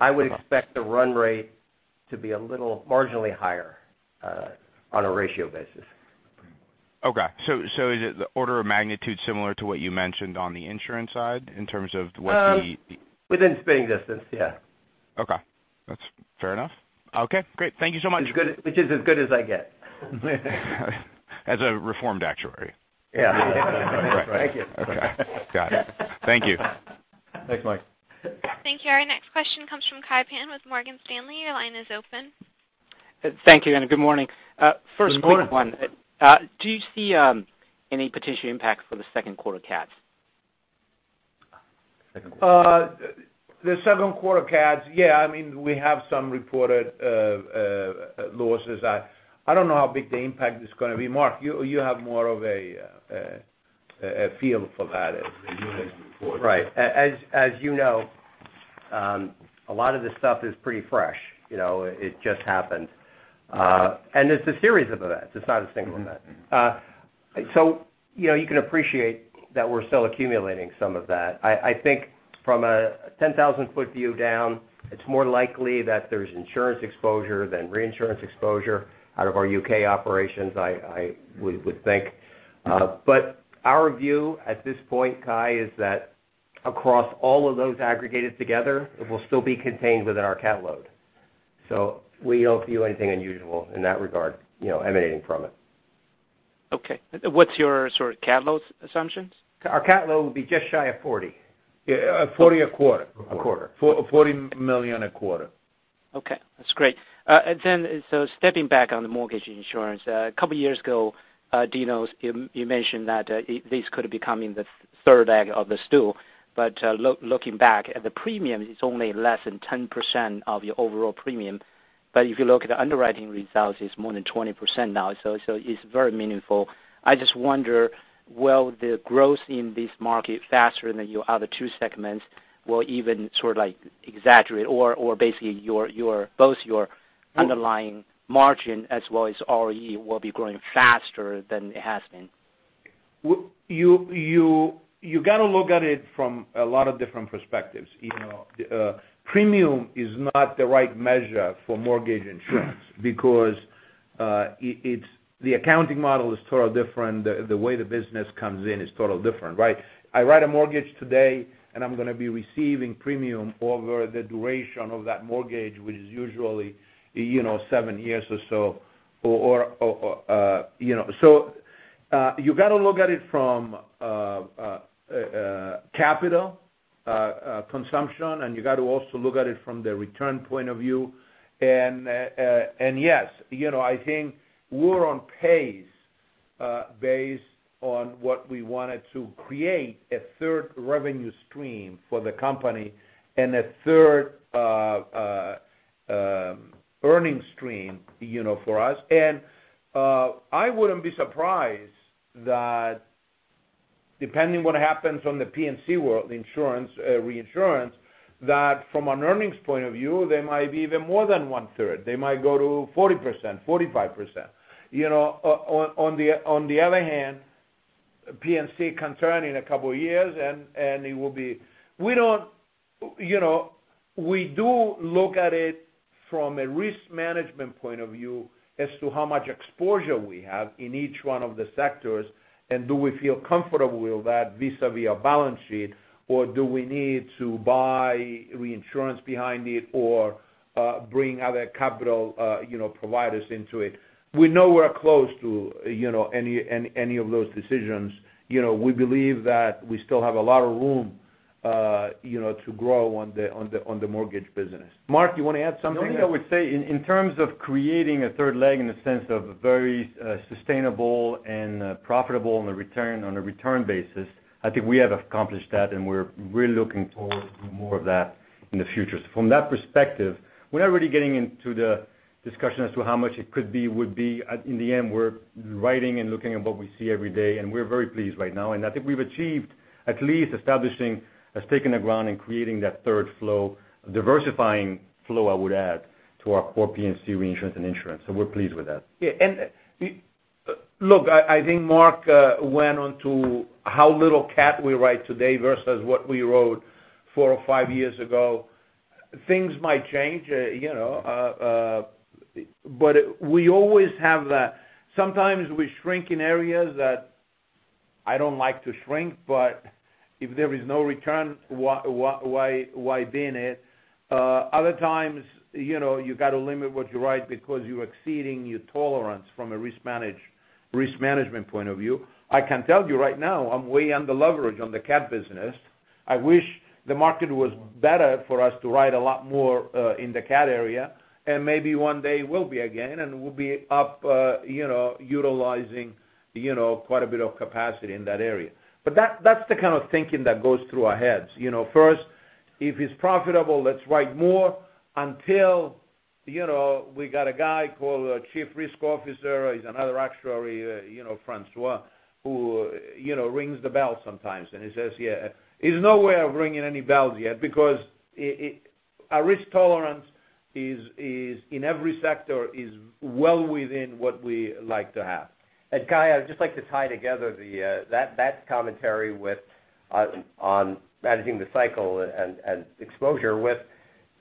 Speaker 4: I would expect the run rate to be a little marginally higher on a ratio basis.
Speaker 8: Okay. Is the order of magnitude similar to what you mentioned on the insurance side in terms of what?
Speaker 4: Within spitting distance, yeah.
Speaker 8: Okay. That's fair enough. Okay, great. Thank you so much.
Speaker 2: Which is as good as I get.
Speaker 8: As a reformed actuary.
Speaker 2: Yeah. Thank you.
Speaker 8: Okay. Got it. Thank you.
Speaker 3: Thanks, Mike.
Speaker 1: Thank you. Our next question comes from Kai Pan with Morgan Stanley. Your line is open.
Speaker 9: Thank you. Good morning.
Speaker 3: Good morning.
Speaker 9: First quick one, do you see any potential impact for the second quarter cats?
Speaker 3: Second quarter.
Speaker 2: The second quarter cats. Yeah, we have some reported losses. I don't know how big the impact is going to be. Mark, you have more of a feel for that.
Speaker 3: The U.S. report. Right. As you know, a lot of this stuff is pretty fresh. It just happened. It's a series of events. It's not a single event. You can appreciate that we're still accumulating some of that. I think from a 10,000-foot view down, it's more likely that there's insurance exposure than reinsurance exposure out of our U.K. operations, I would think. Our view at this point, Kai, is that across all of those aggregated together, it will still be contained within our cat load. We don't view anything unusual in that regard emanating from it.
Speaker 9: Okay. What's your cat load assumptions?
Speaker 2: Our cat load will be just shy of 40.
Speaker 3: $40 a quarter. A quarter. $40 million a quarter.
Speaker 9: Okay, that's great. Stepping back on the mortgage insurance. A couple of years ago, Dinos, you mentioned that this could become the third leg of the stool, but looking back at the premium, it's only less than 10% of your overall premium. If you look at the underwriting results, it's more than 20% now, so it's very meaningful. I just wonder, will the growth in this market faster than your other two segments will even sort of exaggerate or basically both your underlying margin as well as ROE will be growing faster than it has been?
Speaker 2: You got to look at it from a lot of different perspectives. Premium is not the right measure for mortgage insurance because the accounting model is totally different. The way the business comes in is totally different, right? I write a mortgage today, and I'm going to be receiving premium over the duration of that mortgage, which is usually seven years or so. You got to look at it from a capital consumption, and you got to also look at it from the return point of view. Yes, I think we're on pace based on what we wanted to create a third revenue stream for the company and a third earnings stream for us. I wouldn't be surprised that depending what happens on the P&C world, the insurance, reinsurance, that from an earnings point of view, they might be even more than one-third. They might go to 40%, 45%. On the other hand, P&C can turn in a couple of years, and it will be. We do look at it from a risk management point of view as to how much exposure we have in each one of the sectors, and do we feel comfortable with that vis-à-vis our balance sheet, or do we need to buy reinsurance behind it or bring other capital providers into it? We know we're close to any of those decisions. We believe that we still have a lot of room to grow on the mortgage business. Mark, you want to add something?
Speaker 4: The only thing I would say in terms of creating a third leg in the sense of very sustainable and profitable on a return basis, I think we have accomplished that, and we're really looking forward to do more of that in the future. From that perspective, we're not really getting into the discussion as to how much it could be, would be. In the end, we're writing and looking at what we see every day, and we're very pleased right now. I think we've achieved at least establishing a stake in the ground and creating that third flow, diversifying flow, I would add, to our core P&C reinsurance and insurance. We're pleased with that.
Speaker 2: Yeah. Look, I think Mark went on to how little cat we write today versus what we wrote four or five years ago. Things might change, but we always have that. Sometimes we shrink in areas that I don't like to shrink, but if there is no return, why be in it? Other times, you got to limit what you write because you're exceeding your tolerance from a risk management point of view. I can tell you right now, I'm way under leverage on the cat business. I wish the market was better for us to write a lot more in the cat area, and maybe one day will be again, and we'll be up utilizing quite a bit of capacity in that area. That's the kind of thinking that goes through our heads. First, if it's profitable, let's write more until we got a guy called Chief Risk Officer. He's another actuary, François, who rings the bell sometimes. He says, "Yeah." He's nowhere ringing any bells yet because our risk tolerance in every sector is well within what we like to have. Kai, I'd just like to tie together that commentary with on managing the cycle and exposure with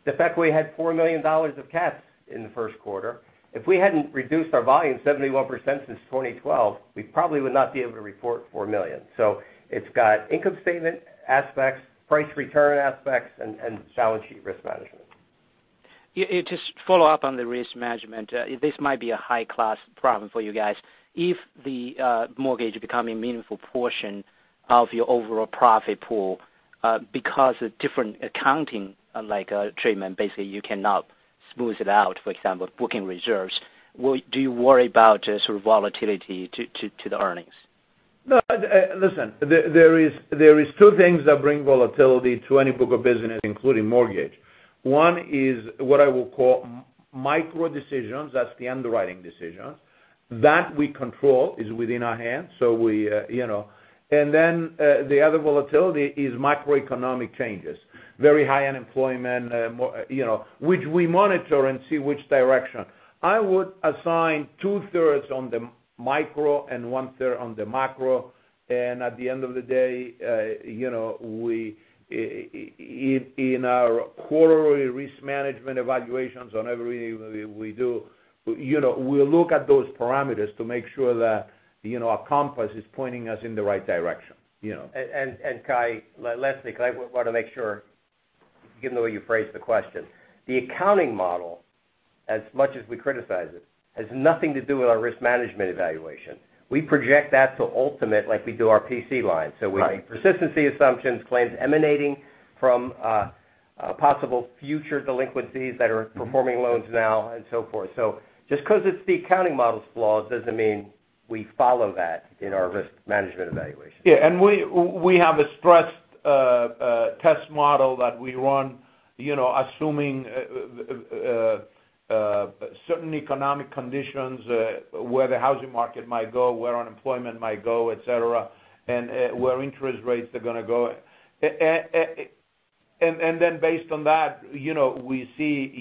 Speaker 2: the fact we had $4 million of cats in the first quarter. If we hadn't reduced our volume 71% since 2012, we probably would not be able to report $4 million. It's got income statement aspects, price return aspects, and balance sheet risk management.
Speaker 9: Just follow up on the risk management. This might be a high-class problem for you guys. If the mortgage become a meaningful portion of your overall profit pool because of different accounting, like treatment, basically you cannot smooth it out, for example, booking reserves. Do you worry about sort of volatility to the earnings?
Speaker 2: No. Listen, there is two things that bring volatility to any book of business, including mortgage. One is what I will call micro decisions, that's the underwriting decisions. That we control, is within our hands. Then, the other volatility is macroeconomic changes, very high unemployment, which we monitor and see which direction. I would assign two-thirds on the micro and one-third on the macro. At the end of the day, in our quarterly risk management evaluations on everything we do, we'll look at those parameters to make sure that our compass is pointing us in the right direction.
Speaker 3: Kai, lastly, because I want to make sure, given the way you phrased the question. The accounting model, as much as we criticize it, has nothing to do with our risk management evaluation. We project that to ultimate like we do our P&C line.
Speaker 2: Right.
Speaker 3: We make persistency assumptions, claims emanating from possible future delinquencies that are performing loans now, and so forth. Just because it's the accounting model's flaws doesn't mean we follow that in our risk management evaluation.
Speaker 2: Yeah, we have a stressed test model that we run assuming certain economic conditions, where the housing market might go, where unemployment might go, et cetera, and where interest rates are going to go. Based on that, we see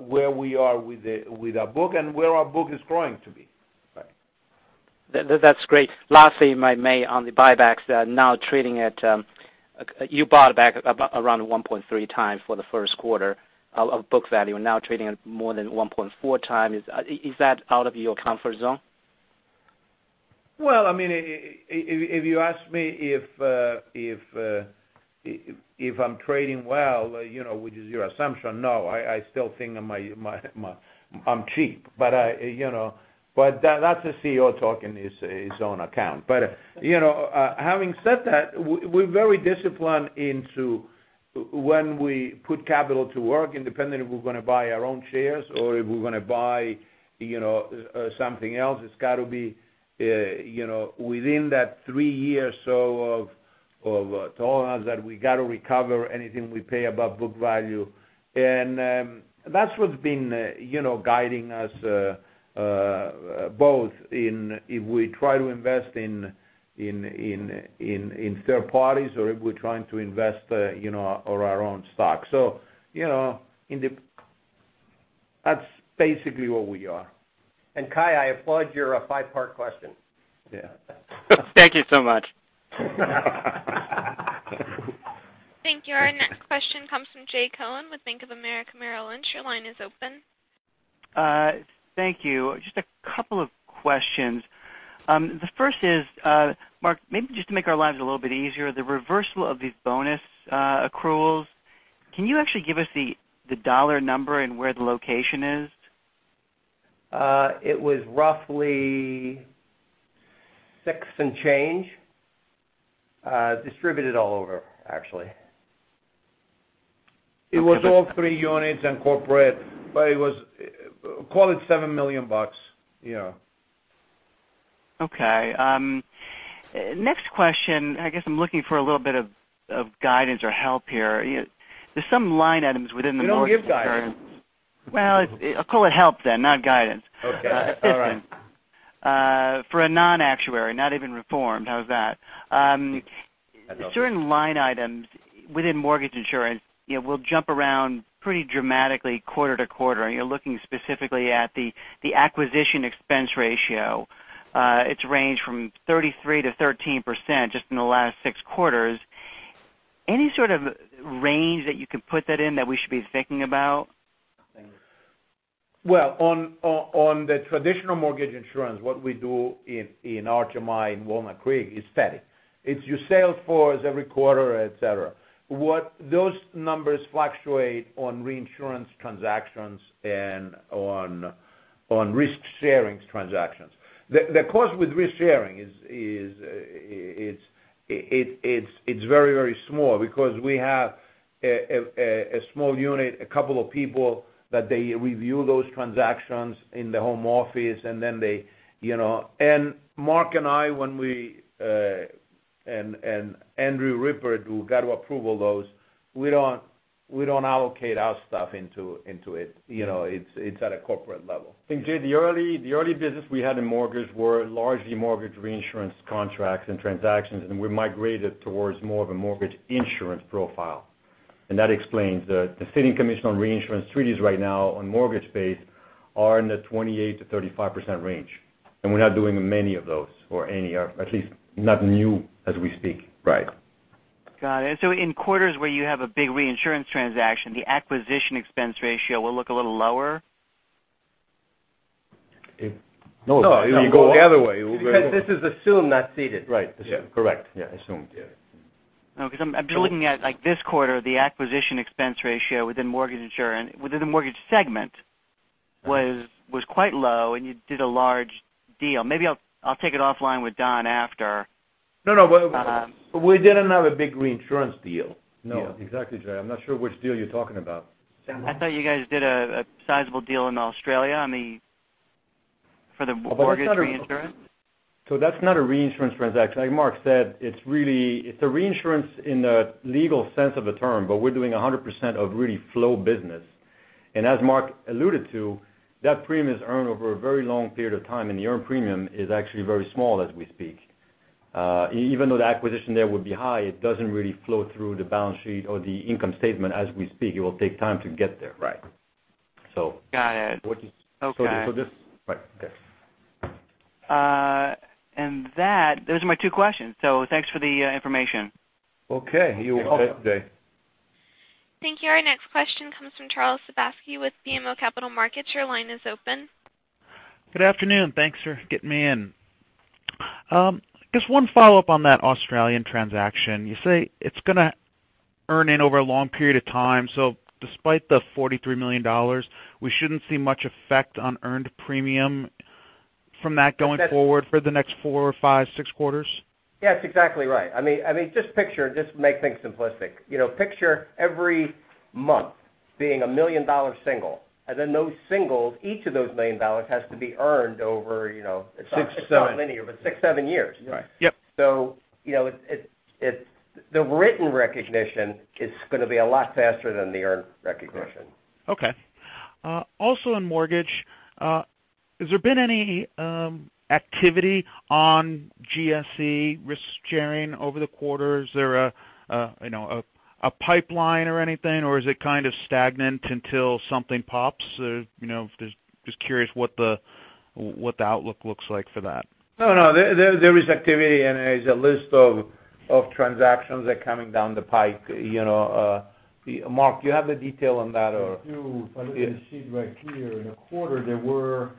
Speaker 2: where we are with our book and where our book is growing to be.
Speaker 3: Right.
Speaker 9: That's great. Lastly, on the buybacks now trading at, you bought back around 1.3 times for the first quarter of book value, now trading at more than 1.4 times. Is that out of your comfort zone?
Speaker 2: Well, if you ask me if I'm trading well, which is your assumption, no. I still think I'm cheap. That's a CEO talking his own account. Having said that, we're very disciplined into when we put capital to work, independent if we're going to buy our own shares or if we're going to buy something else. It's got to be within that three years, sort of told us that we got to recover anything we pay above book value. That's what's been guiding us both in if we try to invest in third parties or if we're trying to invest our own stock. That's basically where we are.
Speaker 3: Kai, I applaud your five-part question.
Speaker 2: Yeah.
Speaker 9: Thank you so much.
Speaker 1: Thank you. Our next question comes from Jay Cohen with Bank of America Merrill Lynch. Your line is open.
Speaker 10: Thank you. Just a couple of questions. The first is, Marc, maybe just to make our lives a little bit easier, the reversal of these bonus accruals, can you actually give us the dollar number and where the location is?
Speaker 3: It was roughly six and change, distributed all over, actually.
Speaker 2: It was all 3 units and corporate, but call it $7 million.
Speaker 10: Okay. Next question, I guess I'm looking for a little bit of guidance or help here. There's some line items within the mortgage insurance-
Speaker 3: We don't give guidance.
Speaker 10: Well, I'll call it help then, not guidance.
Speaker 3: Okay. All right.
Speaker 10: Assistance. For a non-actuary, not even reformed, how's that?
Speaker 2: I love it.
Speaker 10: Certain line items within mortgage insurance will jump around pretty dramatically quarter-to-quarter. You're looking specifically at the acquisition expense ratio. It's ranged from 33%-13% just in the last six quarters. Any sort of range that you could put that in that we should be thinking about?
Speaker 2: On the traditional mortgage insurance, what we do in R2I in Walnut Creek is steady. It's your sales force every quarter, et cetera. What those numbers fluctuate on reinsurance transactions and on risk-sharings transactions. The cost with risk-sharing it's very, very small because we have a small unit, a couple of people that they review those transactions in the home office, and then Mark and I, and Andrew Rippert, who got to approve all those, we don't allocate our stuff into it. It's at a corporate level.
Speaker 3: Jay, the early business we had in mortgage were largely mortgage reinsurance contracts and transactions. We migrated towards more of a mortgage insurance profile. That explains the ceding commission on reinsurance treaties right now on mortgage space are in the 28%-35% range. We're not doing many of those, or any, or at least not new as we speak.
Speaker 2: Right.
Speaker 10: Got it. In quarters where you have a big reinsurance transaction, the acquisition expense ratio will look a little lower?
Speaker 2: You go the other way.
Speaker 3: This is assumed, not ceded.
Speaker 2: Right. Assumed. Correct. Yeah. Assumed. Yeah.
Speaker 10: I'm just looking at this quarter, the acquisition expense ratio within mortgage insurance, within the mortgage segment was quite low, and you did a large deal. Maybe I'll take it offline with Don after.
Speaker 2: No, we didn't have a big reinsurance deal.
Speaker 3: No, exactly, Jay. I'm not sure which deal you're talking about.
Speaker 10: I thought you guys did a sizable deal in Australia. I mean, for the mortgage reinsurance.
Speaker 4: That's not a reinsurance transaction. Like Marc said, it's a reinsurance in the legal sense of the term, but we're doing 100% of really flow business. As Marc alluded to, that premium is earned over a very long period of time, and the earned premium is actually very small as we speak. Even though the acquisition there would be high, it doesn't really flow through the balance sheet or the income statement as we speak. It will take time to get there.
Speaker 2: Right.
Speaker 10: Got it. Okay.
Speaker 3: Right. Okay.
Speaker 10: Those are my two questions. Thanks for the information.
Speaker 2: Okay. You bet, Jay.
Speaker 1: Thank you. Our next question comes from Charles Sebaski with BMO Capital Markets. Your line is open.
Speaker 11: Good afternoon. Thanks for getting me in. Just one follow-up on that Australian transaction. You say it's going to earn in over a long period of time. Despite the $43 million, we shouldn't see much effect on earned premium from that going forward for the next four or five, six quarters?
Speaker 4: Yes, exactly right. Just picture, just to make things simplistic. Picture every month being a million-dollar single, and then those singles, each of those million dollars has to be earned over-
Speaker 3: Six, seven It's not linear, but six, seven years.
Speaker 4: Right. Yep. The written recognition is going to be a lot faster than the earned recognition.
Speaker 11: Okay. Also on mortgage, has there been any activity on GSE risk sharing over the quarter? Is there a pipeline or anything, or is it kind of stagnant until something pops? Just curious what the outlook looks like for that.
Speaker 2: No. There is activity, and there's a list of transactions that are coming down the pipe. Mark, do you have the detail on that or?
Speaker 3: I look at the sheet right here. In the quarter, there were,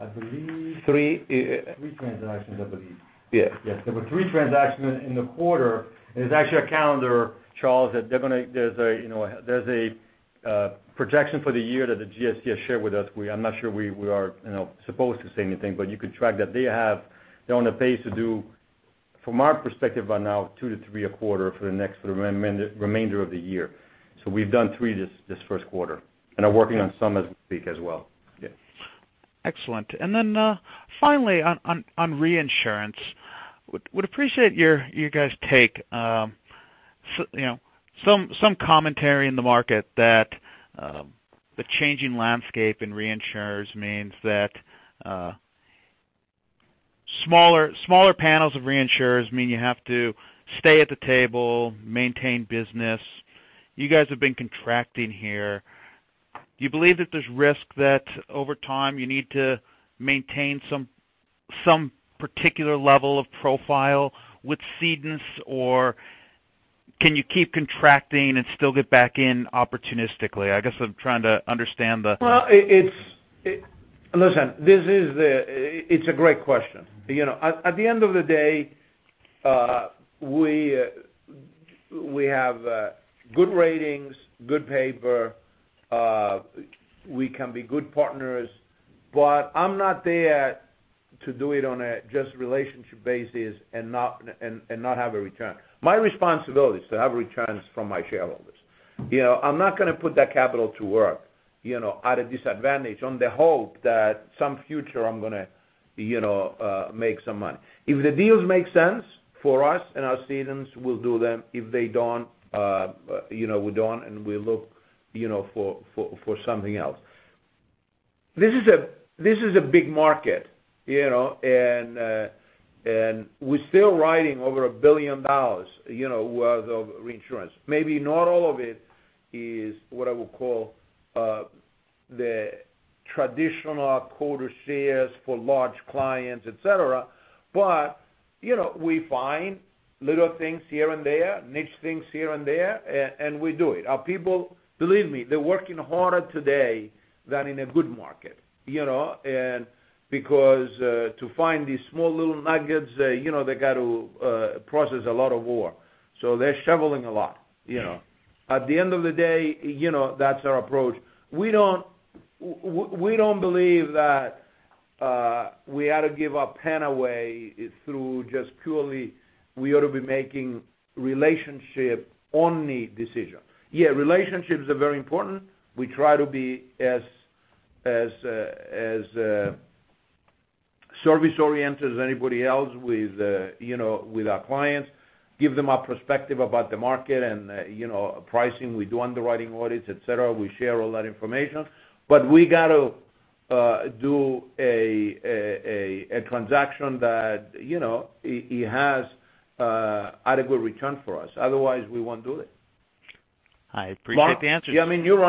Speaker 3: I believe-
Speaker 2: Three
Speaker 3: three transactions, I believe.
Speaker 2: Yes.
Speaker 3: Yes, there were three transactions in the quarter, and there's actually a calendar, Charles, that There's a projection for the year that the GSE has shared with us. I'm not sure we are supposed to say anything, but you could track that they're on a pace to do, from our perspective right now, two to three a quarter for the next remainder of the year. We've done three this first quarter, and are working on some as we speak as well. Yeah.
Speaker 11: Excellent. Finally on reinsurance, would appreciate your guys take. Some commentary in the market that the changing landscape in reinsurers means that smaller panels of reinsurers mean you have to stay at the table, maintain business. You guys have been contracting here. Do you believe that there's risk that over time you need to maintain some particular level of profile with cedents, or can you keep contracting and still get back in opportunistically?
Speaker 2: Well, listen. It's a great question. At the end of the day, we have good ratings, good paper. We can be good partners, but I'm not there to do it on a just relationship basis and not have a return. My responsibility is to have returns from my shareholders. I'm not going to put that capital to work at a disadvantage on the hope that some future I'm going to make some money. If the deals make sense for us and our cedents, we'll do them. If they don't, we don't, and we look for something else. This is a big market, and we're still riding over $1 billion worth of reinsurance. Maybe not all of it is what I would call the traditional quota shares for large clients, et cetera, but we find little things here and there, niche things here and there, and we do it. Our people, believe me, they're working harder today than in a good market because to find these small little nuggets, they got to process a lot of work. They're shoveling a lot. At the end of the day, that's our approach. We don't believe that we ought to give a pen away through just purely we ought to be making relationship-only decisions. Yeah, relationships are very important. We try to be as service-oriented as anybody else with our clients, give them our perspective about the market and pricing. We do underwriting audits, et cetera. We share all that information. We got to do a transaction that it has adequate return for us. Otherwise, we won't do it.
Speaker 11: I appreciate the answer.
Speaker 2: Mark. Yeah, I mean, you're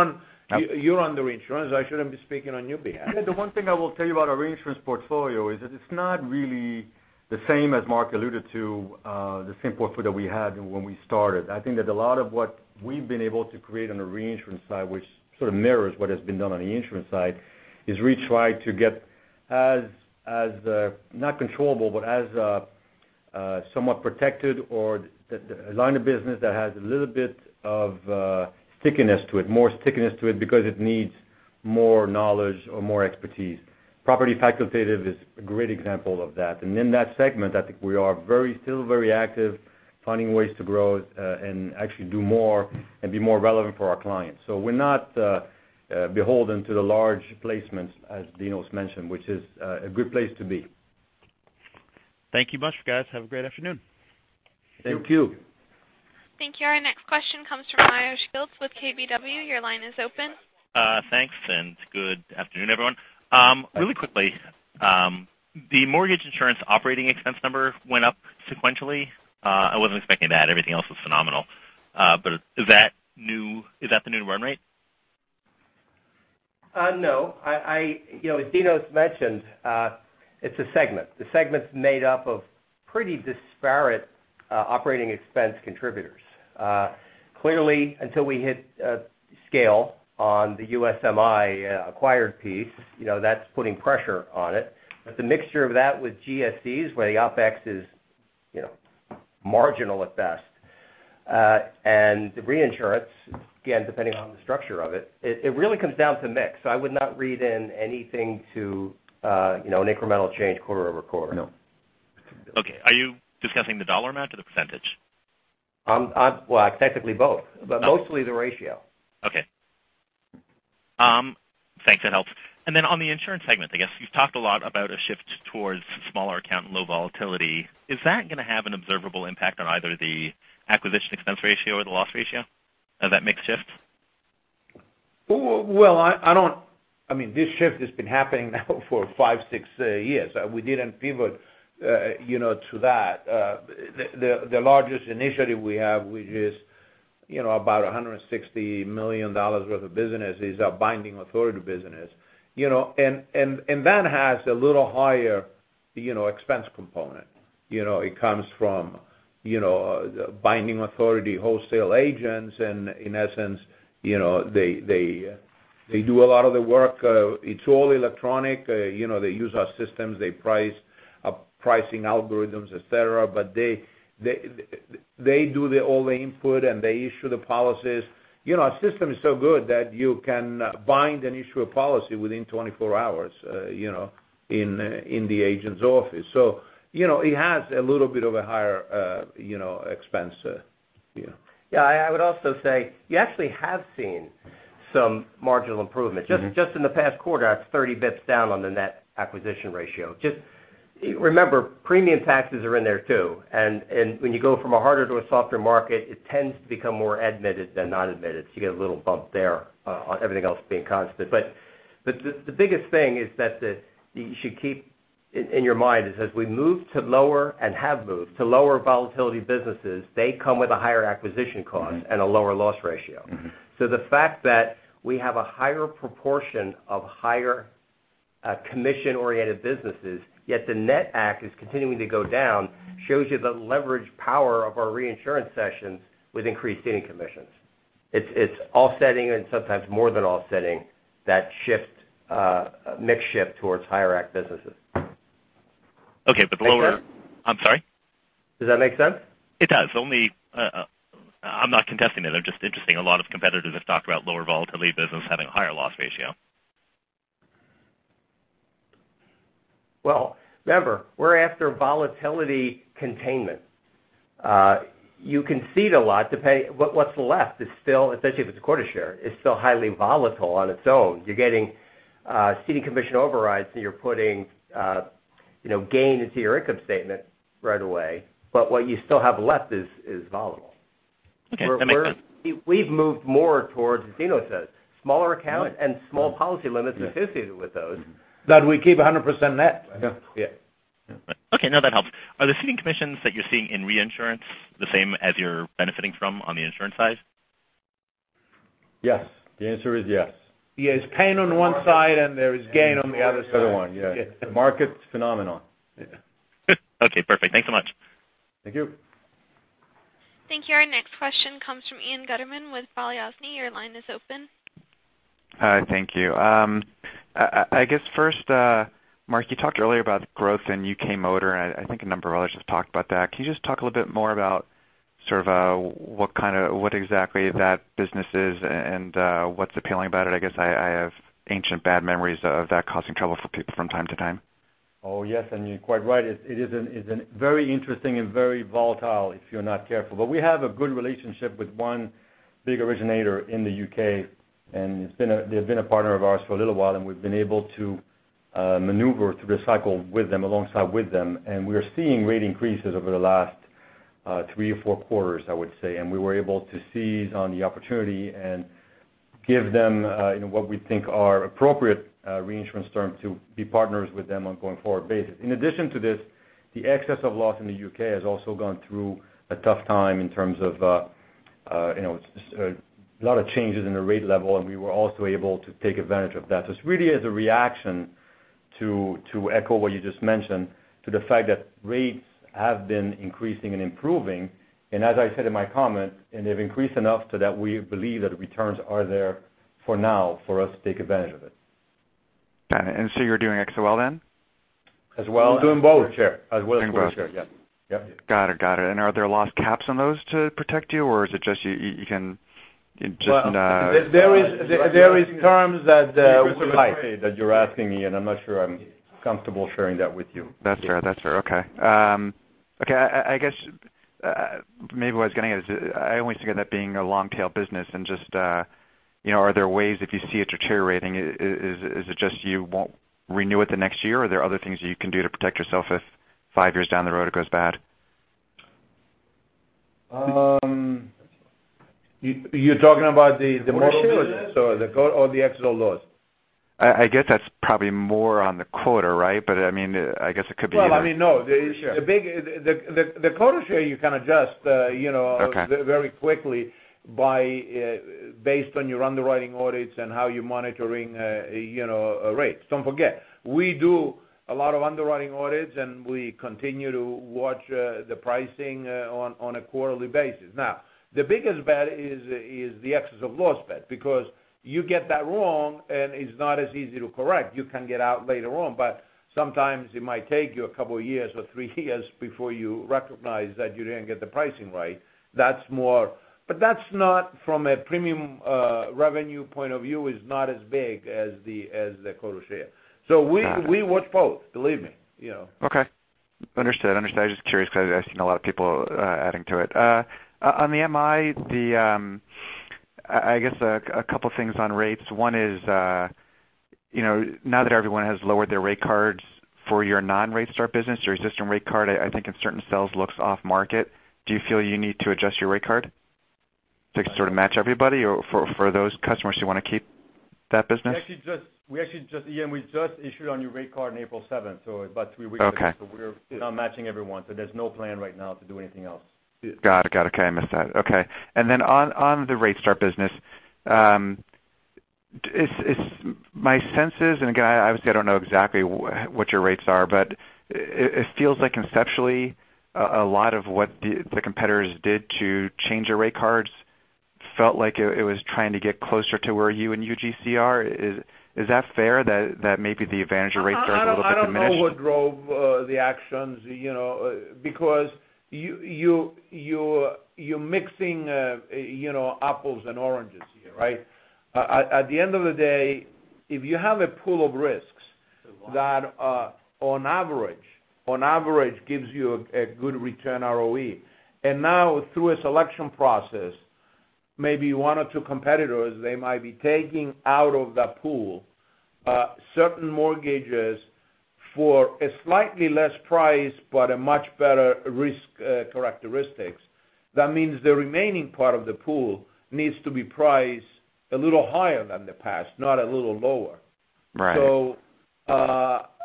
Speaker 2: on the reinsurance, I shouldn't be speaking on your behalf.
Speaker 3: The one thing I will tell you about our reinsurance portfolio is that it's not really the same, as Mark alluded to, the same portfolio that we had when we started. I think that a lot of what we've been able to create on the reinsurance side, which sort of mirrors what has been done on the insurance side, is we try to get as, not controllable, but as somewhat protected or a line of business that has a little bit of more stickiness to it because it needs more knowledge or more expertise. Property facultative is a great example of that. In that segment, I think we are still very active, finding ways to grow and actually do more and be more relevant for our clients. We're not beholden to the large placements, as Dinos mentioned, which is a good place to be.
Speaker 11: Thank you much, guys. Have a great afternoon.
Speaker 3: Thank you.
Speaker 1: Thank you. Our next question comes from Meyer Shields with KBW. Your line is open.
Speaker 12: Thanks. Good afternoon, everyone. Really quickly, the mortgage insurance operating expense number went up sequentially. I wasn't expecting that. Everything else was phenomenal. Is that the new run rate?
Speaker 4: No. As Dinos mentioned, it's a segment. The segment's made up of pretty disparate operating expense contributors. Clearly, until we hit scale on the USMI acquired piece, that's putting pressure on it. The mixture of that with GSEs, where the OpEx is marginal at best. The reinsurance, again, depending on the structure of it really comes down to mix. I would not read in anything to an incremental change quarter-over-quarter.
Speaker 3: No.
Speaker 12: Okay. Are you discussing the dollar amount or the percentage?
Speaker 4: Well, technically both, but mostly the ratio.
Speaker 12: Okay. Thanks. That helps. Then on the insurance segment, I guess you've talked a lot about a shift towards smaller account and low volatility. Is that going to have an observable impact on either the acquisition expense ratio or the loss ratio as that mix shifts?
Speaker 3: Well, this shift has been happening now for five, six years. We didn't pivot to that. The largest initiative we have is about $160 million worth of business is our binding authority business. That has a little higher expense component. It comes from binding authority wholesale agents, and in essence, they do a lot of the work. It's all electronic. They use our systems, they price our pricing algorithms, et cetera, but they do all the input, and they issue the policies. Our system is so good that you can bind and issue a policy within 24 hours in the agent's office. It has a little bit of a higher expense.
Speaker 4: Yeah. I would also say, you actually have seen some marginal improvement. Just in the past quarter, that's 30 basis points down on the net acquisition ratio. Just remember, premium taxes are in there, too. When you go from a harder to a softer market, it tends to become more admitted than not admitted, you get a little bump there on everything else being constant. The biggest thing you should keep in your mind is as we move to lower and have moved to lower volatility businesses, they come with a higher acquisition cost and a lower loss ratio. The fact that we have a higher proportion of higher commission-oriented businesses, yet the net act is continuing to go down, shows you the leverage power of our reinsurance cessions with increased ceding commissions. It's offsetting and sometimes more than offsetting that mix shift towards higher act businesses.
Speaker 12: Okay. The lower
Speaker 4: Make sense? I'm sorry? Does that make sense?
Speaker 12: It does. I'm not contesting it. I'm just interested, a lot of competitors have talked about lower volatility business having a higher loss ratio.
Speaker 4: Well, remember, we're after volatility containment. You can cede a lot depending what's left, especially if it's a quota share, is still highly volatile on its own. You're getting ceding commission overrides, so you're putting gain into your income statement right away. What you still have left is volatile.
Speaker 12: Okay. That makes sense.
Speaker 4: We've moved more towards, as Dinos says, smaller accounts and small policy limits associated with those.
Speaker 3: That we keep 100% net.
Speaker 4: Yeah.
Speaker 12: Okay. No, that helps. Are the ceding commissions that you're seeing in reinsurance the same as you're benefiting from on the insurance side?
Speaker 3: Yes. The answer is yes.
Speaker 4: Yes. Pain on one side, there is gain on the other side.
Speaker 3: The other one. The market's phenomenon.
Speaker 4: Yeah.
Speaker 12: Good. Okay, perfect. Thanks so much.
Speaker 3: Thank you.
Speaker 1: Thank you. Our next question comes from Ian Gutterman with Balyasny. Your line is open.
Speaker 13: Hi. Thank you. I guess first, Marc, you talked earlier about growth in UK Motor, and I think a number of others just talked about that. Can you just talk a little bit more about sort of what exactly that business is and what's appealing about it? I guess I have ancient bad memories of that causing trouble for people from time to time.
Speaker 3: Oh, yes. You're quite right. It is very interesting and very volatile if you're not careful. We have a good relationship with one big originator in the U.K., and they've been a partner of ours for a little while, and we've been able to maneuver through the cycle alongside with them. We are seeing rate increases over the last three or four quarters, I would say. We were able to seize on the opportunity and give them what we think are appropriate reinsurance terms to be partners with them on a going forward basis. In addition to this, the excess of loss in the U.K. has also gone through a tough time in terms of a lot of changes in the rate level, and we were also able to take advantage of that. It really is a reaction, to echo what you just mentioned, to the fact that rates have been increasing and improving, and as I said in my comment, and they've increased enough so that we believe that the returns are there for now for us to take advantage of it.
Speaker 13: Got it. You're doing XL then?
Speaker 2: As well as We're doing both. As well as quota share. Doing both. Yeah.
Speaker 13: Got it. Are there loss caps on those to protect you, or is it just?
Speaker 2: Well, there is terms.
Speaker 3: Secrets of the trade that you're asking me, and I'm not sure I'm comfortable sharing that with you.
Speaker 13: That's fair. Okay. I guess maybe what I was getting at is, I always figure that being a long-tail business and just, are there ways if you see it deteriorating, is it just you won't renew it the next year, or are there other things you can do to protect yourself if five years down the road it goes bad?
Speaker 2: You're talking about the model.
Speaker 3: Quota share?
Speaker 2: or the XL loss?
Speaker 13: I guess that's probably more on the quota, right? I guess it could be either.
Speaker 2: Well, no.
Speaker 3: Quota share. The quota share you can adjust.
Speaker 13: Okay
Speaker 2: very quickly based on your underwriting audits and how you're monitoring rates. Don't forget, we do a lot of underwriting audits, and we continue to watch the pricing on a quarterly basis. The biggest bet is the excess of loss bet, because you get that wrong and it's not as easy to correct. You can get out later on, sometimes it might take you a couple of years or three years before you recognize that you didn't get the pricing right. That's not, from a premium revenue point of view, is not as big as the quota share.
Speaker 13: Got it
Speaker 2: We watch both, believe me.
Speaker 13: Okay. Understood. I was just curious because I've seen a lot of people adding to it. On the MI, I guess a couple things on rates. One is, now that everyone has lowered their rate cards for your non-RateStar business, your existing rate card, I think in certain cells looks off-market. Do you feel you need to adjust your rate card to sort of match everybody or for those customers you want to keep that business?
Speaker 3: We actually just, Ian, we just issued a new rate card on April 7th.
Speaker 13: Okay
Speaker 3: We're not matching everyone. There's no plan right now to do anything else.
Speaker 13: Got it. Okay, I missed that. Then on the RateStar business, my sense is, and again, obviously, I don't know exactly what your rates are, it feels like conceptually, a lot of what the competitors did to change their rate cards felt like it was trying to get closer to where you and UGC are. Is that fair that maybe the Advantage rate card a little bit diminished?
Speaker 2: I don't know what drove the actions, because you're mixing apples and oranges here, right? At the end of the day, if you have a pool of risks that on average gives you a good return ROE, now through a selection process, maybe one or two competitors, they might be taking out of the pool certain mortgages for a slightly less price but a much better risk characteristics. That means the remaining part of the pool needs to be priced a little higher than the past, not a little lower.
Speaker 13: Right.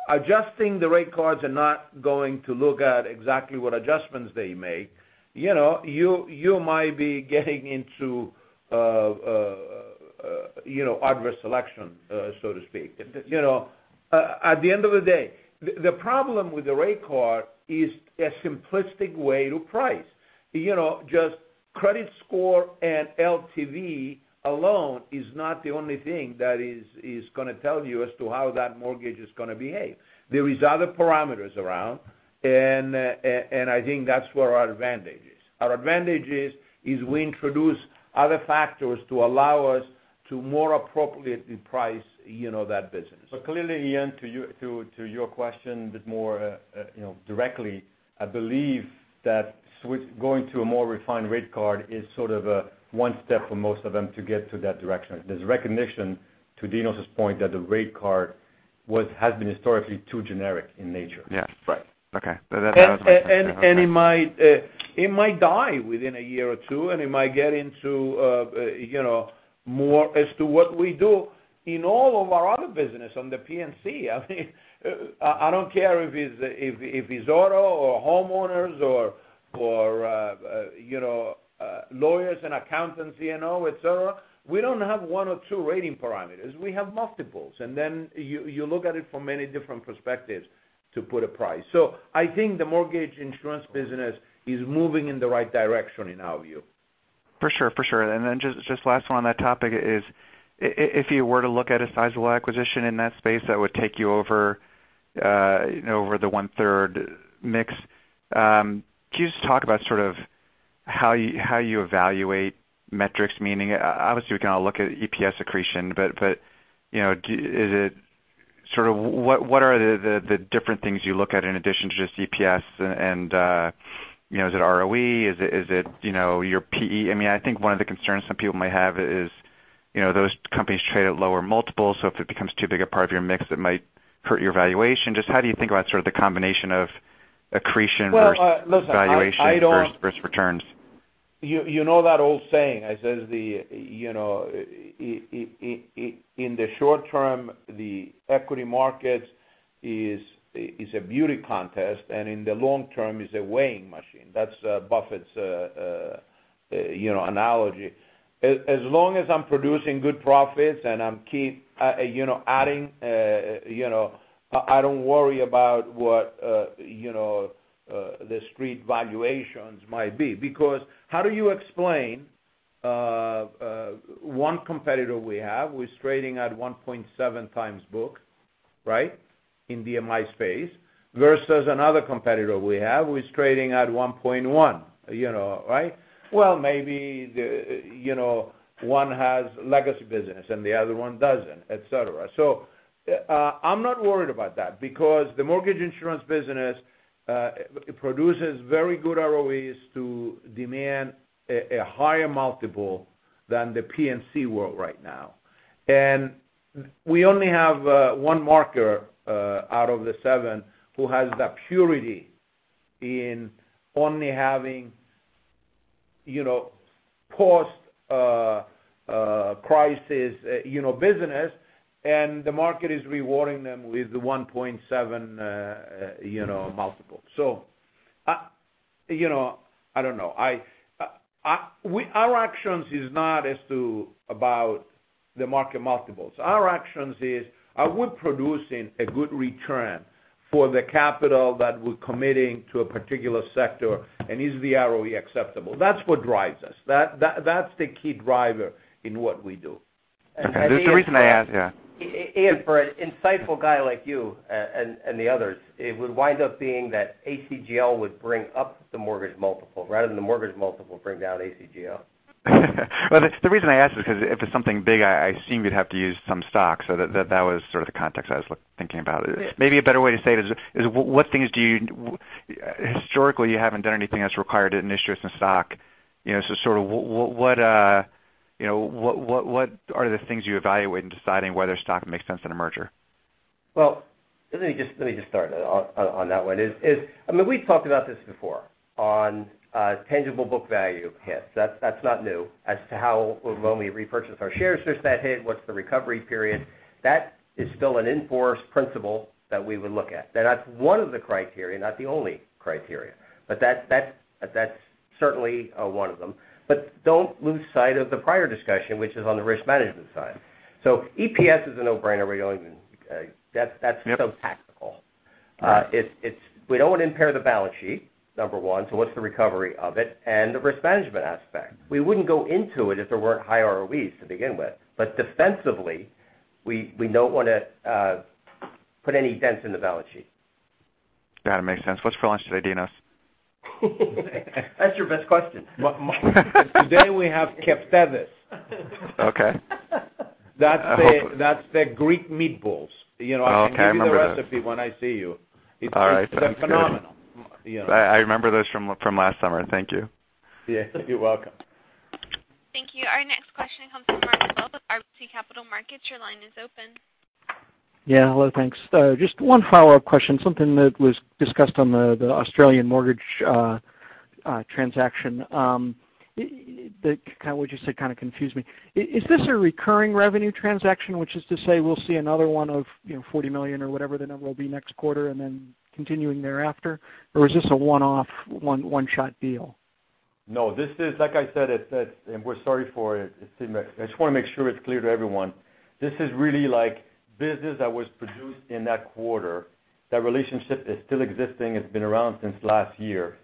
Speaker 2: Adjusting the rate cards are not going to look at exactly what adjustments they make. You might be getting into adverse selection, so to speak. At the end of the day, the problem with the rate card is a simplistic way to price. Just credit score and LTV alone is not the only thing that is going to tell you as to how that mortgage is going to behave. There is other parameters around, and I think that's where our advantage is. Our advantage is we introduce other factors to allow us to more appropriately price that business.
Speaker 3: Clearly, Ian, to your question a bit more directly, I believe that going to a more refined rate card is sort of a one step for most of them to get to that direction. There's recognition, to Dinos' point, that the rate card has been historically too generic in nature.
Speaker 13: Yes.
Speaker 2: Right.
Speaker 13: Okay. That's what I was looking for.
Speaker 2: It might die within a year or two, and it might get into more as to what we do in all of our other business on the P&C. I don't care if it's auto or homeowners or lawyers and accountants and all, et cetera. We don't have one or two rating parameters. We have multiples. Then you look at it from many different perspectives to put a price. I think the mortgage insurance business is moving in the right direction in our view.
Speaker 13: For sure. Just last one on that topic is, if you were to look at a sizable acquisition in that space that would take you over the one-third mix, can you just talk about sort of how you evaluate metrics? Meaning, obviously, we can all look at EPS accretion, but what are the different things you look at in addition to just EPS and, is it ROE? Is it your PE? I think one of the concerns some people might have is those companies trade at lower multiples, so if it becomes too big a part of your mix, it might hurt your valuation. Just how do you think about sort of the combination of accretion versus-
Speaker 2: Well, listen
Speaker 13: valuation versus returns?
Speaker 2: You know that old saying that says, in the short term, the equity market is a beauty contest, and in the long term, it's a weighing machine. That's Buffett's analogy. As long as I'm producing good profits and I'm keep adding, I don't worry about what the street valuations might be. How do you explain One competitor we have, who is trading at 1.7x book, in MI space, versus another competitor we have who is trading at 1.1x. Maybe one has legacy business and the other one doesn't, et cetera. I'm not worried about that because the mortgage insurance business produces very good ROEs to demand a higher multiple than the P&C world right now. We only have one marker out of the seven who has that purity in only having post-crisis business, and the market is rewarding them with the 1.7x multiple. I don't know. Our actions is not as to about the market multiples. Our actions is, are we producing a good return for the capital that we're committing to a particular sector, and is the ROE acceptable? That's what drives us. That's the key driver in what we do.
Speaker 13: Okay. That's the reason I asked. Yeah.
Speaker 4: Ian, for an insightful guy like you and the others, it would wind up being that ACGL would bring up the mortgage multiple rather than the mortgage multiple bring down ACGL.
Speaker 13: The reason I ask is because if it's something big, I assume you'd have to use some stock, so that was sort of the context I was thinking about it. Maybe a better way to say it is, historically you haven't done anything that's required an issuance in stock. What are the things you evaluate in deciding whether stock makes sense in a merger?
Speaker 4: Well, let me just start on that one. I mean, we've talked about this before on tangible book value hits. That's not new as to how or when we repurchase our shares, there's that hit. What's the recovery period? That is still an in-force principle that we would look at. That's one of the criteria, not the only criteria. That's certainly one of them. Don't lose sight of the prior discussion, which is on the risk management side. EPS is a no-brainer. That's so tactical. We don't want to impair the balance sheet, number one, what's the recovery of it, and the risk management aspect. We wouldn't go into it if there weren't high ROEs to begin with. Defensively, we don't want to put any dents in the balance sheet.
Speaker 13: That makes sense. What's for lunch today, Dinos?
Speaker 4: That's your best question.
Speaker 2: Today we have Keftedes.
Speaker 13: Okay.
Speaker 2: That's the Greek meatballs.
Speaker 13: Oh, okay. I remember those.
Speaker 2: I can give you the recipe when I see you.
Speaker 13: All right. Sounds good.
Speaker 2: They're phenomenal.
Speaker 13: I remember those from last summer. Thank you.
Speaker 2: Yeah. You're welcome.
Speaker 1: Thank you. Our next question comes from Mark Dwelle with RBC Capital Markets. Your line is open.
Speaker 14: Hello, thanks. Just one follow-up question. Something that was discussed on the Australian mortgage transaction that what you said kind of confused me. Is this a recurring revenue transaction, which is to say we'll see another one of $40 million or whatever the number will be next quarter, and then continuing thereafter? Is this a one-off, one-shot deal?
Speaker 3: Like I said, and we're sorry for it, I just want to make sure it's clear to everyone. This is really like business that was produced in that quarter. That relationship is still existing. It's been around since last year.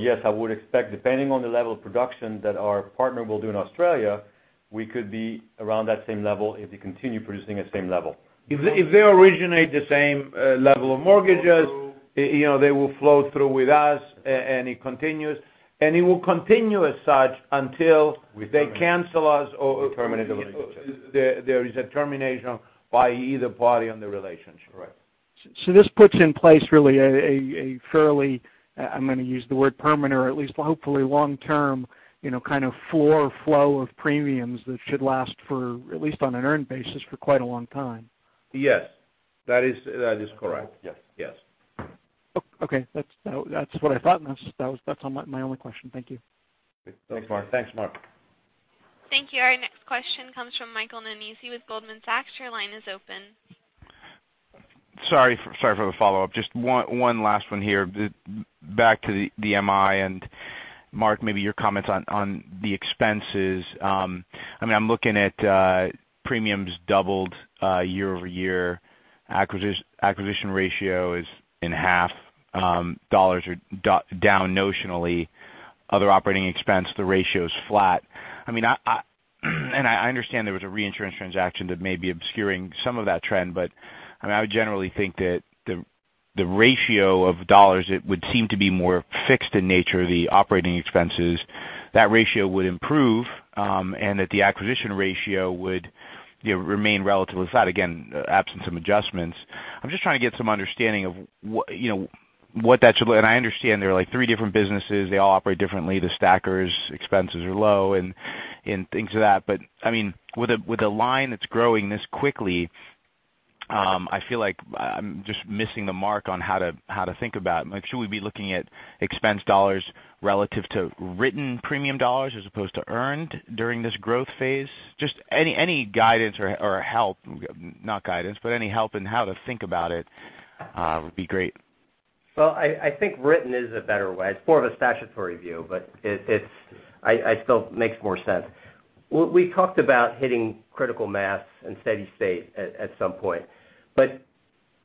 Speaker 3: Yes, I would expect, depending on the level of production that our partner will do in Australia, we could be around that same level if they continue producing at the same level. If they originate the same level of mortgages-
Speaker 4: Flow through they will flow through with us, and it continues. It will continue as such until they cancel us or- We terminate the relationship.
Speaker 3: There is a termination by either party on the relationship.
Speaker 4: Correct.
Speaker 14: This puts in place really a fairly, I'm going to use the word permanent, or at least hopefully long-term kind of floor flow of premiums that should last for at least on an earned basis, for quite a long time.
Speaker 3: Yes. That is correct.
Speaker 4: Yes. Yes.
Speaker 14: Okay. That's what I thought, and that's my only question. Thank you.
Speaker 3: Thanks, Mark.
Speaker 4: Thanks, Mark.
Speaker 1: Thank you. Our next question comes from Michael Nannizzi with Goldman Sachs. Your line is open.
Speaker 8: Sorry for the follow-up. Just one last one here. Back to the MI, and Mark, maybe your comments on the expenses. I'm looking at premiums doubled year-over-year. Acquisition ratio is in half. Dollars are down notionally. Other operating expense, the ratio is flat. I understand there was a reinsurance transaction that may be obscuring some of that trend, but I would generally think that the ratio of dollars, it would seem to be more fixed in nature, the operating expenses. That ratio would improve, and that the acquisition ratio would remain relatively flat again, absent some adjustments. I'm just trying to get some understanding of what that should look I understand there are like three different businesses. They all operate differently. The stackers expenses are low and things of that. With a line that's growing this quickly, I feel like I'm just missing the mark on how to think about it. Should we be looking at expense $ relative to written premium $ as opposed to earned during this growth phase? Just any guidance or help, not guidance, but any help in how to think about it would be great.
Speaker 4: Well, I think written is a better way. It's more of a statutory view, but I still makes more sense. We talked about hitting critical mass and steady state at some point.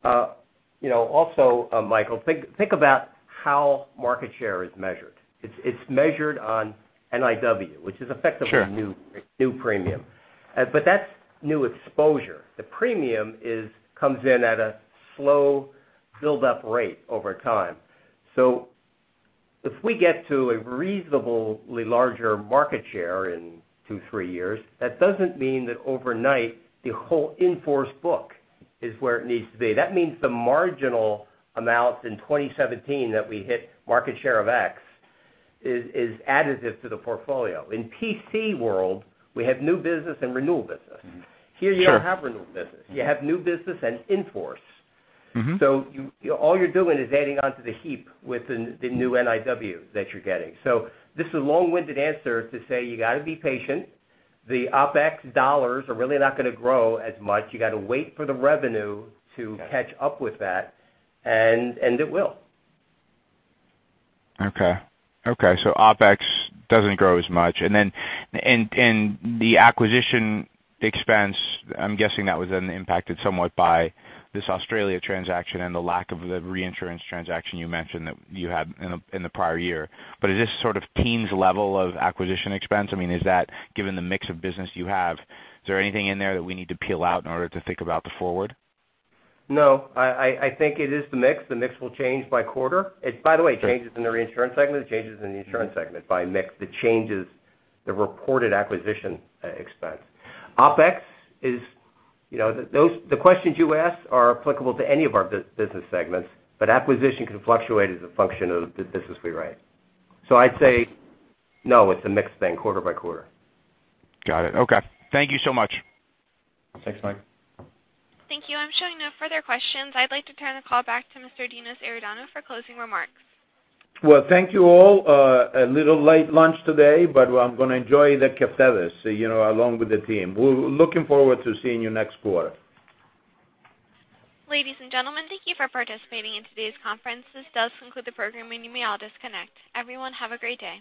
Speaker 4: Also, Michael, think about how market share is measured. It's measured on NIW, which is effectively-
Speaker 8: Sure
Speaker 4: new premium. That's new exposure. The premium comes in at a slow build-up rate over time. If we get to a reasonably larger market share in two, three years, that doesn't mean that overnight the whole in-force book is where it needs to be. That means the marginal amounts in 2017 that we hit market share of X is additive to the portfolio. In P&C world, we have new business and renewal business.
Speaker 8: Sure.
Speaker 4: Here, you don't have renewal business. You have new business and in-force. All you're doing is adding onto the heap with the new NIW that you're getting. This is a long-winded answer to say you got to be patient. The OpEx dollars are really not going to grow as much. You got to wait for the revenue to catch up with that, and it will.
Speaker 8: Okay. OpEx doesn't grow as much. The acquisition expense, I'm guessing that was then impacted somewhat by this Australia transaction and the lack of the reinsurance transaction you mentioned that you had in the prior year. Is this sort of teens level of acquisition expense? Given the mix of business you have, is there anything in there that we need to peel out in order to think about the forward?
Speaker 4: No, I think it is the mix. The mix will change by quarter. By the way, changes in the reinsurance segment, changes in the insurance segment by mix, that changes the reported acquisition expense. The questions you ask are applicable to any of our business segments, but acquisition can fluctuate as a function of the business we write. I'd say no, it's a mix thing quarter by quarter.
Speaker 8: Got it. Okay. Thank you so much.
Speaker 4: Thanks, Mike.
Speaker 1: Thank you. I'm showing no further questions. I'd like to turn the call back to Mr. Dinos Iordanou for closing remarks.
Speaker 2: Well, thank you all. A little late lunch today, but I'm going to enjoy the keftedes along with the team. We're looking forward to seeing you next quarter.
Speaker 1: Ladies and gentlemen, thank you for participating in today's conference. This does conclude the program. You may all disconnect. Everyone, have a great day.